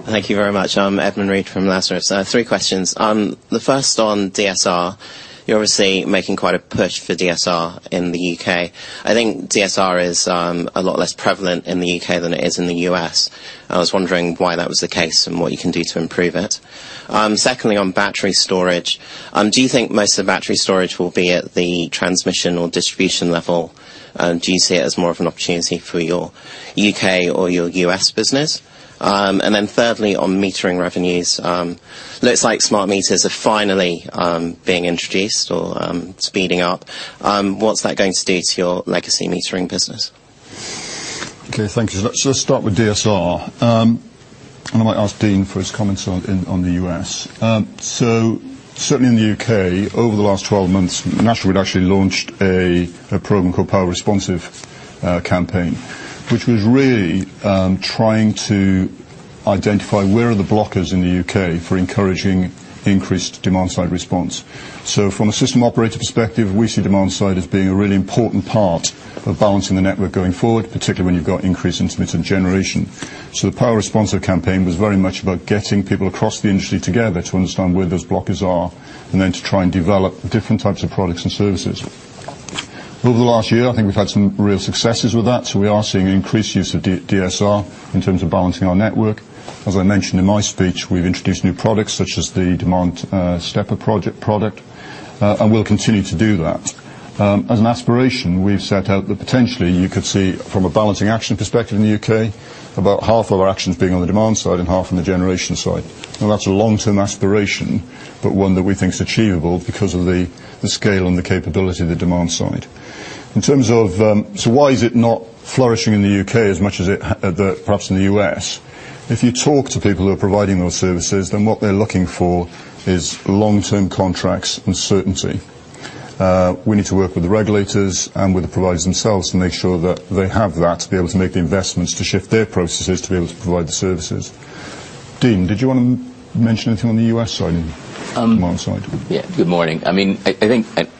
Thank you very much. I'm Edmund Reid from Lazarus. Three questions. The first on DSR. You're obviously making quite a push for DSR in the U.K. I think DSR is a lot less prevalent in the U.K. than it is in the U.S. I was wondering why that was the case and what you can do to improve it. Secondly, on battery storage, do you think most of the battery storage will be at the Transmission or Distribution level? Do you see it as more of an opportunity for your U.K. or your U.S. business? And then thirdly, on Metering revenues, looks like smart meters are finally being introduced or speeding up. What's that going to do to your legacy Metering business? Okay, thank you so much. So, let's start with DSR. And I might ask Dean for his comments on the U.S. So, certainly in the U.K., over the last 12 months, National Grid actually launched a program called Power Responsive campaign, which was really trying to identify where are the blockers in the U.K. for encouraging increased demand-side response. So, from a system operator perspective, we see demand-side as being a really important part of balancing the network going forward, particularly when you've got increased intermittent generation. So, the Power Responsive campaign was very much about getting people across the industry together to understand where those blockers are and then to try and develop different types of products and services. Over the last year, I think we've had some real successes with that. So, we are seeing increased use of DSR in terms of balancing our network. As I mentioned in my speech, we've introduced new products such as the Demand Turn Up product, and we'll continue to do that. As an aspiration, we've set out that potentially you could see, from a balancing action perspective in the U.K., about half of our actions being on the demand-side and half on the generation side. Now, that's a long-term aspiration, but one that we think is achievable because of the scale and the capability of the demand-side. In terms of, so why is it not flourishing in the U.K. as much as it perhaps in the U.S.? If you talk to people who are providing those services, then what they're looking for is long-term contracts and certainty. We need to work with the regulators and with the providers themselves to make sure that they have that to be able to make the investments to shift their processes to be able to provide the services. Dean, did you want to mention anything on the U.S. side, demand-side? Yeah. Good morning. I mean,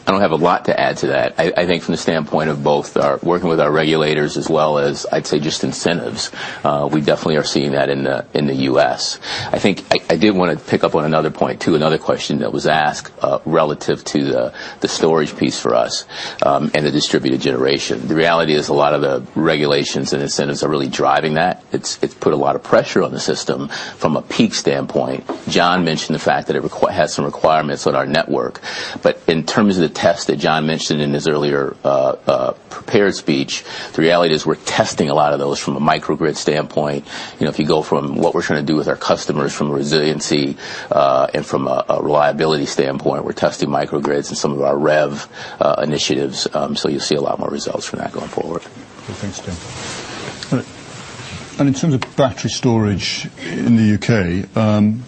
I don't have a lot to add to that. I think from the standpoint of both working with our regulators as well as, I'd say, just incentives, we definitely are seeing that in the U.S. I think I did want to pick up on another point too, another question that was asked relative to the storage piece for us and the distributed generation. The reality is a lot of the regulations and incentives are really driving that. It's put a lot of pressure on the system from a peak standpoint. John mentioned the fact that it has some requirements on our network. But in terms of the test that John mentioned in his earlier prepared speech, the reality is we're testing a lot of those from a microgrid standpoint. If you go from what we're trying to do with our customers from a resiliency and from a reliability standpoint, we're testing microgrids and some of our REV initiatives. So, you'll see a lot more results from that going forward. Thanks, Dean. And in terms of battery storage in the U.K.,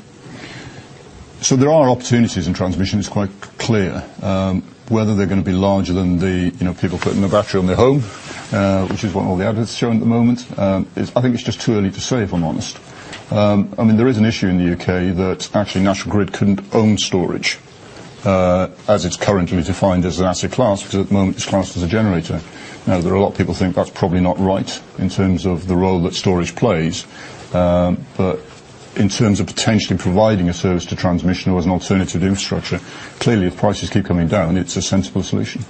so there are opportunities in Transmission. It's quite clear whether they're going to be larger than the people putting the battery on their home, which is what all the adverts show at the moment. I think it's just too early to say, if I'm honest. I mean, there is an issue in the U.K. that actually National Grid couldn't own storage as it's currently defined as an asset class because at the moment it's classed as a generator. Now, there are a lot of people who think that's probably not right in terms of the role that storage plays. But in terms of potentially providing a service to Transmission or as an alternative to infrastructure, clearly, if prices keep coming down, it's a sensible solution.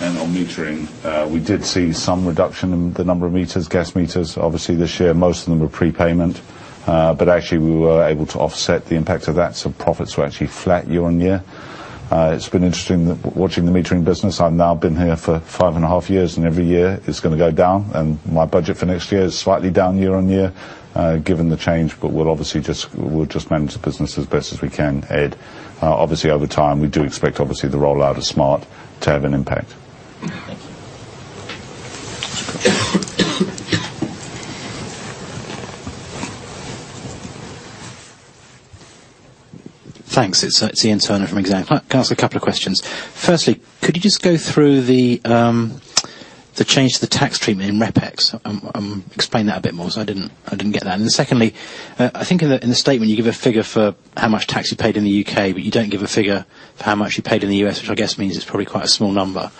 And on Metering, we did see some reduction in the number of meters, gas meters. Obviously, this year, most of them were prepayment. But actually, we were able to offset the impact of that. So, profits were actually flat year on year. It's been interesting watching the Metering business. I've now been here for five and a half years, and every year it's going to go down. And my budget for next year is slightly down year on year given the change. But we'll obviously just manage the business as best as we can. Ed, obviously, over time, we do expect obviously the rollout of smart to have an impact. Thanks. It's Iain Turner from Exane. Can I ask a couple of questions? Firstly, could you just go through the change to the tax treatment in RepEx? Explain that a bit more so I didn't get that. And secondly, I think in the statement you give a figure for how much tax you paid in the U.K., but you don't give a figure for how much you paid in the U.S., which I guess means it's probably quite a small number.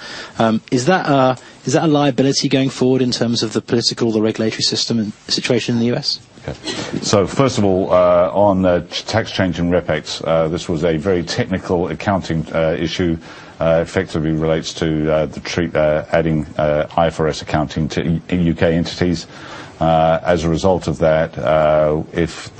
Is that a liability going forward in terms of the political or the regulatory situation in the U.S.? Okay. So, first of all, on tax change in RepEx, this was a very technical accounting issue. It effectively relates to adding IFRS accounting to U.K. entities. As a result of that, as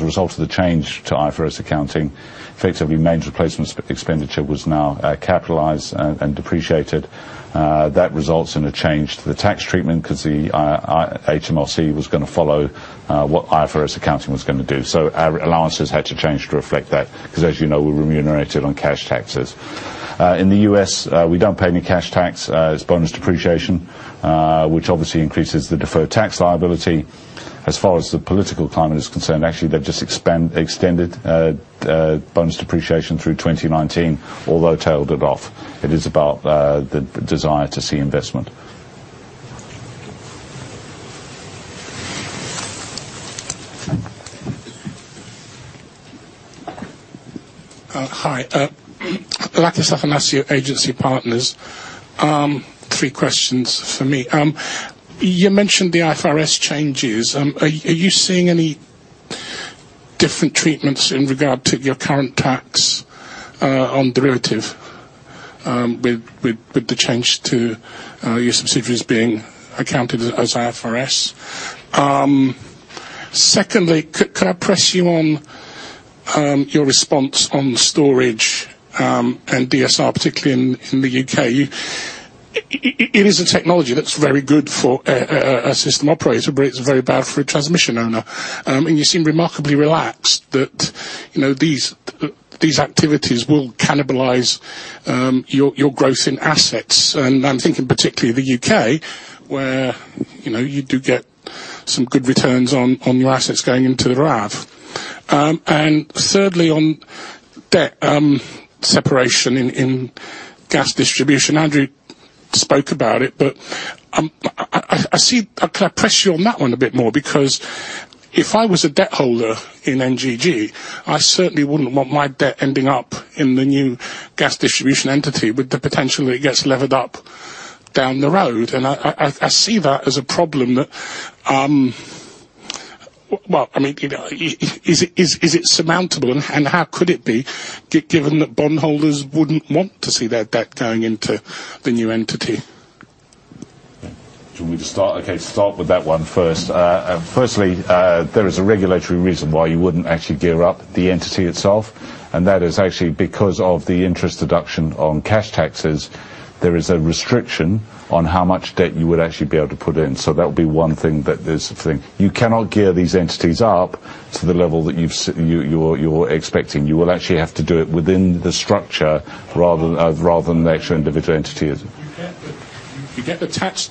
a result of the change to IFRS accounting, effectively Mains Replacement expenditure was now capitalized and depreciated. That results in a change to the tax treatment because the HMRC was going to follow what IFRS accounting was going to do. So, allowances had to change to reflect that because, as you know, we're remunerated on cash taxes. In the U.S., we don't pay any cash tax. It's bonus depreciation, which obviously increases the deferred tax liability. As far as the political climate is concerned, actually, they've just extended bonus depreciation through 2019, although tailed it off. It is about the desire to see investment. Hi. Lakis Athanasiou from Agency Partners. Three questions for me. You mentioned the IFRS changes. Are you seeing any different treatments in regard to your current tax on derivative with the change to your subsidiaries being accounted as IFRS? Secondly, could I press you on your response on storage and DSR, particularly in the U.K.? It is a technology that's very good for a system operator, but it's very bad for a Transmission owner. And you seem remarkably relaxed that these activities will cannibalize your growth in assets. And I'm thinking particularly the U.K., where you do get some good returns on your assets going into the RAV. And thirdly, on debt separation in Gas Distribution, Andrew spoke about it. But could I press you on that one a bit more? Because if I was a debt holder in NGG, I certainly wouldn't want my debt ending up in the new Gas Distribution entity with the potential that it gets levered up down the road. And I see that as a problem that, well, I mean, is it surmountable? And how could it be given that bondholders wouldn't want to see their debt going into the new entity? Do you want me to start? Okay, start with that one first. Firstly, there is a regulatory reason why you wouldn't actually gear up the entity itself. And that is actually because of the interest deduction on cash taxes. There is a restriction on how much debt you would actually be able to put in. So, that would be one thing that is a thing. You cannot gear these entities up to the level that you're expecting. You will actually have to do it within the structure rather than the actual individual entity. You get the tax.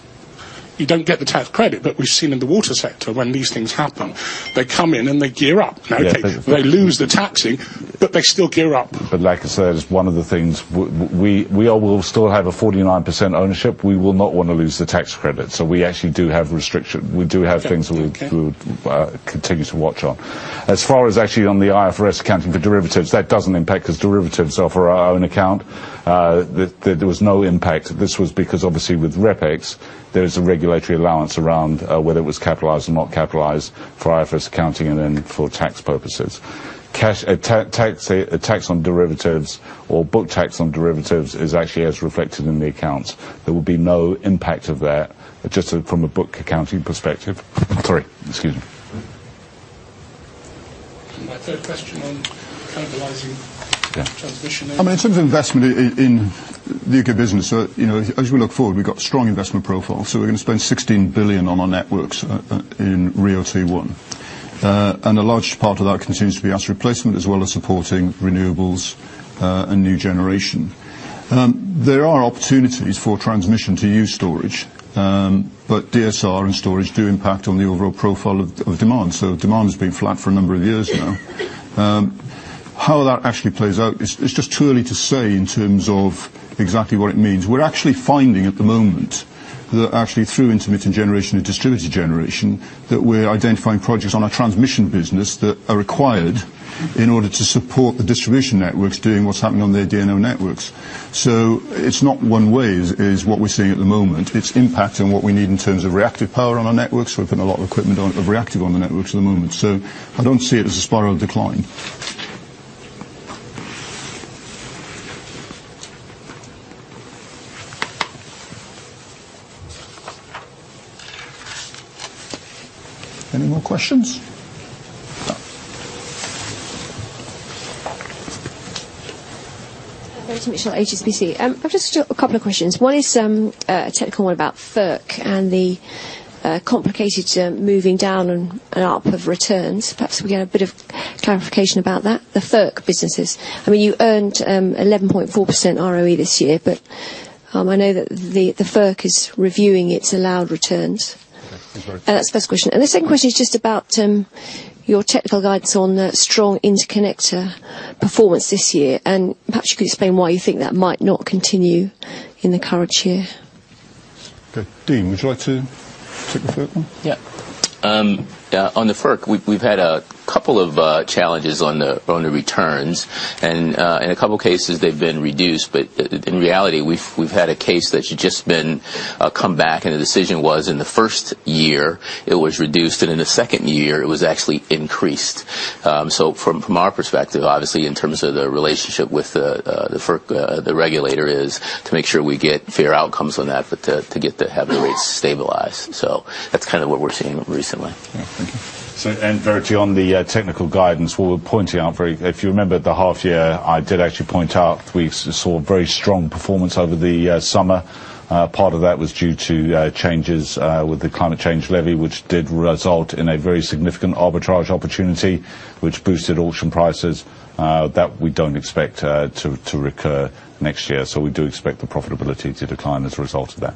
You don't get the tax credit, but we've seen in the water sector when these things happen, they come in and they gear up. Now, they lose the tax shield, but they still gear up. But like I said, one of the things we all will still have a 49% ownership. We will not want to lose the tax credit. We actually do have restrictions. We do have things we'll continue to watch on. As far as actually on the IFRS accounting for derivatives, that doesn't impact because derivatives are for our own account. There was no impact. This was because, obviously, with RepEx, there is a regulatory allowance around whether it was capitalized or not capitalized for IFRS accounting and then for tax purposes. Tax on derivatives or book tax on derivatives is actually as reflected in the accounts. There will be no impact of that just from a book accounting perspective. Sorry. Excuse me. My third question on cannibalizing Transmission. I mean, in terms of investment in the U.K. business, as we look forward, we've got a strong investment profile. We're going to spend 16 billion on our networks in RIIO-T1. And a large part of that continues to be asset replacement as well as supporting renewables and new generation. There are opportunities for Transmission to use storage, but DSR and storage do impact on the overall profile of demand. So, demand has been flat for a number of years now. How that actually plays out is just too early to say in terms of exactly what it means. We're actually finding at the moment that actually through intermittent generation and distributed generation, that we're identifying projects on our Transmission business that are required in order to support the Distribution networks doing what's happening on their DNO networks. So, it's not one-way is what we're seeing at the moment. Its impact on what we need in terms of reactive power on our networks. We're putting a lot of equipment on reactive on the networks at the moment. So, I don't see it as a spiral decline. Any more questions? Hello. Verity Mitchell, HSBC. I've just a couple of questions. One is a technical one about FERC and the complicated moving down and up of returns. Perhaps we get a bit of clarification about that. The FERC businesses. I mean, you earned 11.4% ROE this year, but I know that the FERC is reviewing its allowed returns. That's my question. And the second question is just about your technical guidance on strong Interconnector performance this year. And perhaps you could explain why you think that might not continue in the current year. Okay. Dean, would you like to take the first one? Yeah. On the FERC, we've had a couple of challenges on the returns. And in a couple of cases, they've been reduced. But in reality, we've had a case that should just been come back. The decision was in the first year; it was reduced. In the second year, it was actually increased. From our perspective, obviously, in terms of the relationship with the regulator is to make sure we get fair outcomes on that to get the heavyweights stabilized. That's kind of what we're seeing recently. Thank you. Very few on the technical guidance. What we're pointing out, if you remember the half-year, I did actually point out we saw very strong performance over the summer. Part of that was due to changes with the Climate Change Levy, which did result in a very significant arbitrage opportunity, which boosted auction prices that we don't expect to recur next year. We do expect the profitability to decline as a result of that.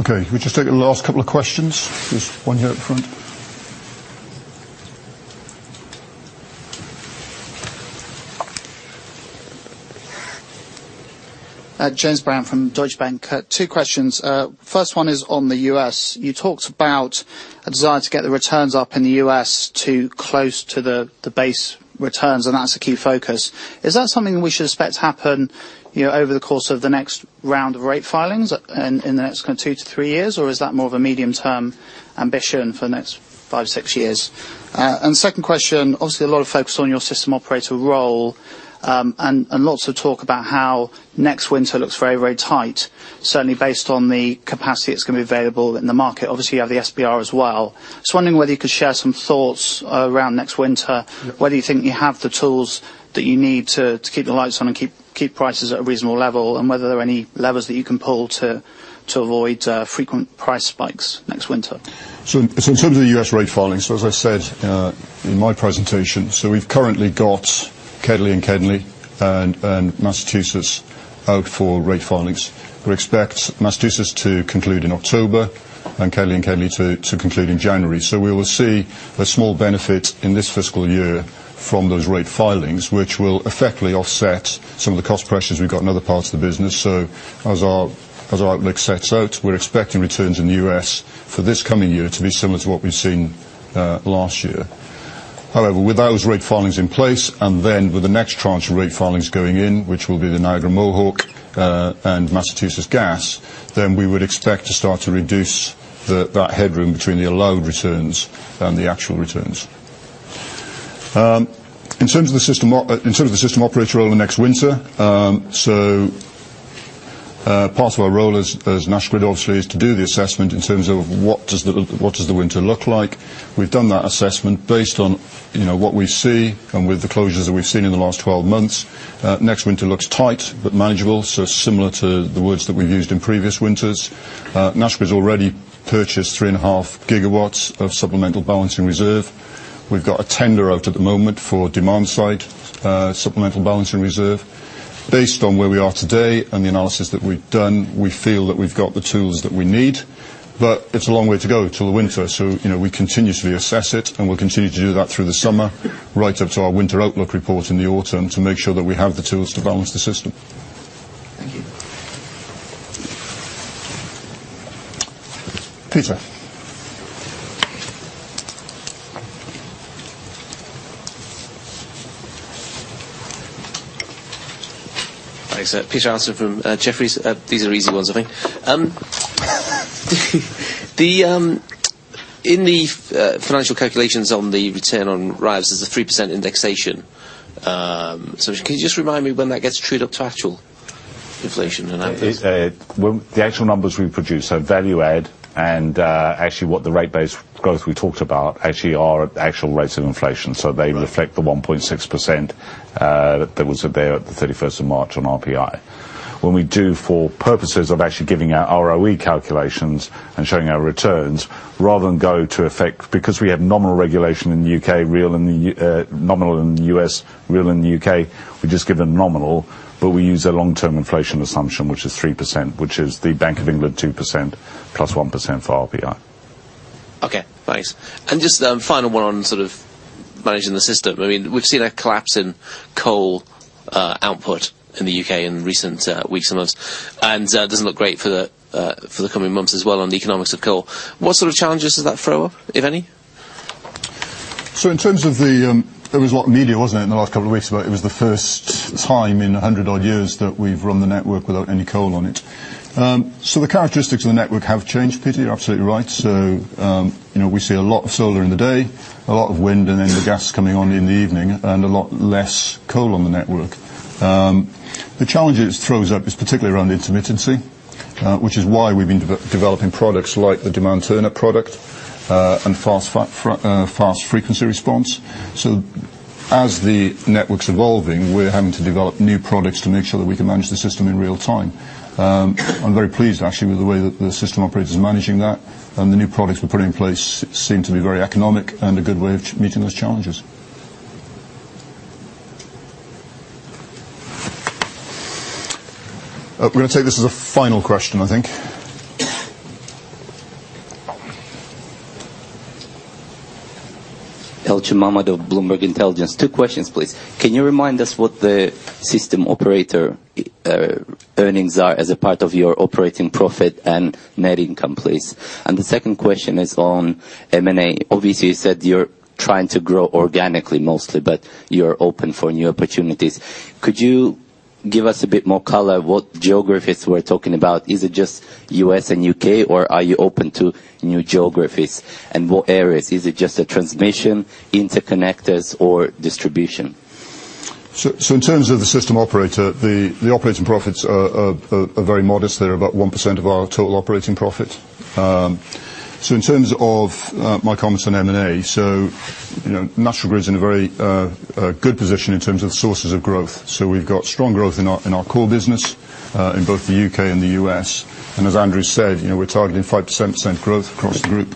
Okay. We'll just take the last couple of questions. There's one here up front. James Brand from Deutsche Bank. Two questions. First one is on the U.S. You talked about a desire to get the returns up in the U.S. to close to the base returns, and that's a key focus. Is that something we should expect to happen over the course of the next round of rate filings in the next kind of two to three years, or is that more of a medium-term ambition for the next five to six years? Second question, obviously, a lot of focus on your system operator role and lots of talk about how next winter looks very, very tight, certainly based on the capacity that's going to be available in the market. Obviously, you have the SBR as well. Just wondering whether you could share some thoughts around next winter, whether you think you have the tools that you need to keep the lights on and keep prices at a reasonable level, and whether there are any levers that you can pull to avoid frequent price spikes next winter? So, in terms of the U.S. rate filings, as I said in my presentation, so we've currently got KEDNY and KEDLI and Massachusetts out for rate filings. We expect Massachusetts to conclude in October and KEDNY and KEDLI to conclude in January. So, we will see a small benefit in this fiscal year from those rate filings, which will effectively offset some of the cost pressures we've got in other parts of the business. So, as our outlook sets out, we're expecting returns in the U.S. for this coming year to be similar to what we've seen last year. However, with those rate filings in place and then with the next tranche of rate filings going in, which will be the Niagara Mohawk and Massachusetts Gas, then we would expect to start to reduce that headroom between the allowed returns and the actual returns. In terms of the system operator role in next winter, part of our role as National Grid, obviously, is to do the assessment in terms of what does the winter look like. We've done that assessment based on what we see and with the closures that we've seen in the last 12 months. Next winter looks tight but manageable, similar to the words that we've used in previous winters. National Grid has already purchased 3.5 GW of Supplemental Balancing Reserve. We've got a tender out at the moment for demand-side Supplemental Balancing Reserve. Based on where we are today and the analysis that we've done, we feel that we've got the tools that we need. But it's a long way to go till the winter. We continuously assess it, and we'll continue to do that through the summer right up to our Winter Outlook Report in the autumn to make sure that we have the tools to balance the system. Thank you. Peter. Thanks. Peter Atherton from Jefferies. These are easy ones, I think. In the financial calculations on the return on RAVs, there's a 3% indexation. So, can you just remind me when that gets trued up to actual inflation? The actual numbers we produce are value-add, and actually what the RAV-based growth we talked about actually are actual rates of inflation. So, they reflect the 1.6% that was there at the 31st of March on RPI. When we do, for purposes of actually giving out ROE calculations and showing our returns, rather than go to effect, because we have nominal regulation in the U.K., nominal in the U.S., real in the U.K., we just give a nominal, but we use a long-term inflation assumption, which is 3%, which is the Bank of England 2% plus 1% for RPI. Okay. Thanks. And just final one on sort of managing the system. I mean, we've seen a collapse in coal output in the U.K. in recent weeks and months. And it doesn't look great for the coming months as well on the economics of coal. What sort of challenges does that throw up, if any? So, in terms of the it was a lot of media, wasn't it, in the last couple of weeks? But it was the first time in a hundred-odd years that we've run the network without any coal on it. So, the characteristics of the network have changed, Peter. You're absolutely right. So, we see a lot of solar in the day, a lot of wind, and then the gas coming on in the evening, and a lot less coal on the network. The challenge it throws up is particularly around intermittency, which is why we've been developing products like the Demand Turn Up product and fast frequency response. So, as the network's evolving, we're having to develop new products to make sure that we can manage the system in real time. I'm very pleased, actually, with the way that the system operator's managing that. And the new products we're putting in place seem to be very economic and a good way of meeting those challenges. We're going to take this as a final question, I think. Elchin Mammadov of Bloomberg Intelligence. Two questions, please. Can you remind us what the system operator earnings are as a part of your operating profit and net income, please? And the second question is on M&A. Obviously, you said you're trying to grow organically mostly, but you're open for new opportunities. Could you give us a bit more color? What geographies we're talking about? Is it just U.S. and U.K., or are you open to new geographies? And what areas? Is it just a Transmission, Interconnectors, or Distribution? So, in terms of the system operator, the operating profits are very modest. They're about 1% of our total operating profit. So, in terms of my comments on M&A, so National Grid's in a very good position in terms of sources of growth. We've got strong growth in our core business in both the U.K. and the U.S. As Andrew said, we're targeting 5% growth across the group.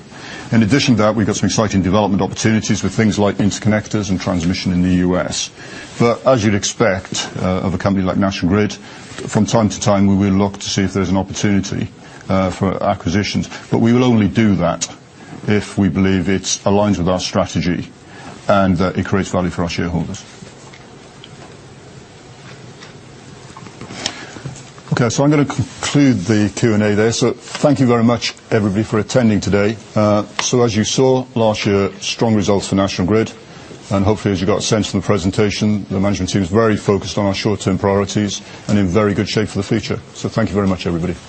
In addition to that, we've got some exciting development opportunities with things like Interconnectors and Transmission in the U.S. As you'd expect of a company like National Grid, from time to time, we will look to see if there's an opportunity for acquisitions. We will only do that if we believe it aligns with our strategy and that it creates value for our shareholders. Okay. I'm going to conclude the Q&A there. Thank you very much, everybody, for attending today. As you saw last year, strong results for National Grid. Hopefully, as you got a sense from the presentation, the management team is very focused on our short-term priorities and in very good shape for the future. So, thank you very much, everybody.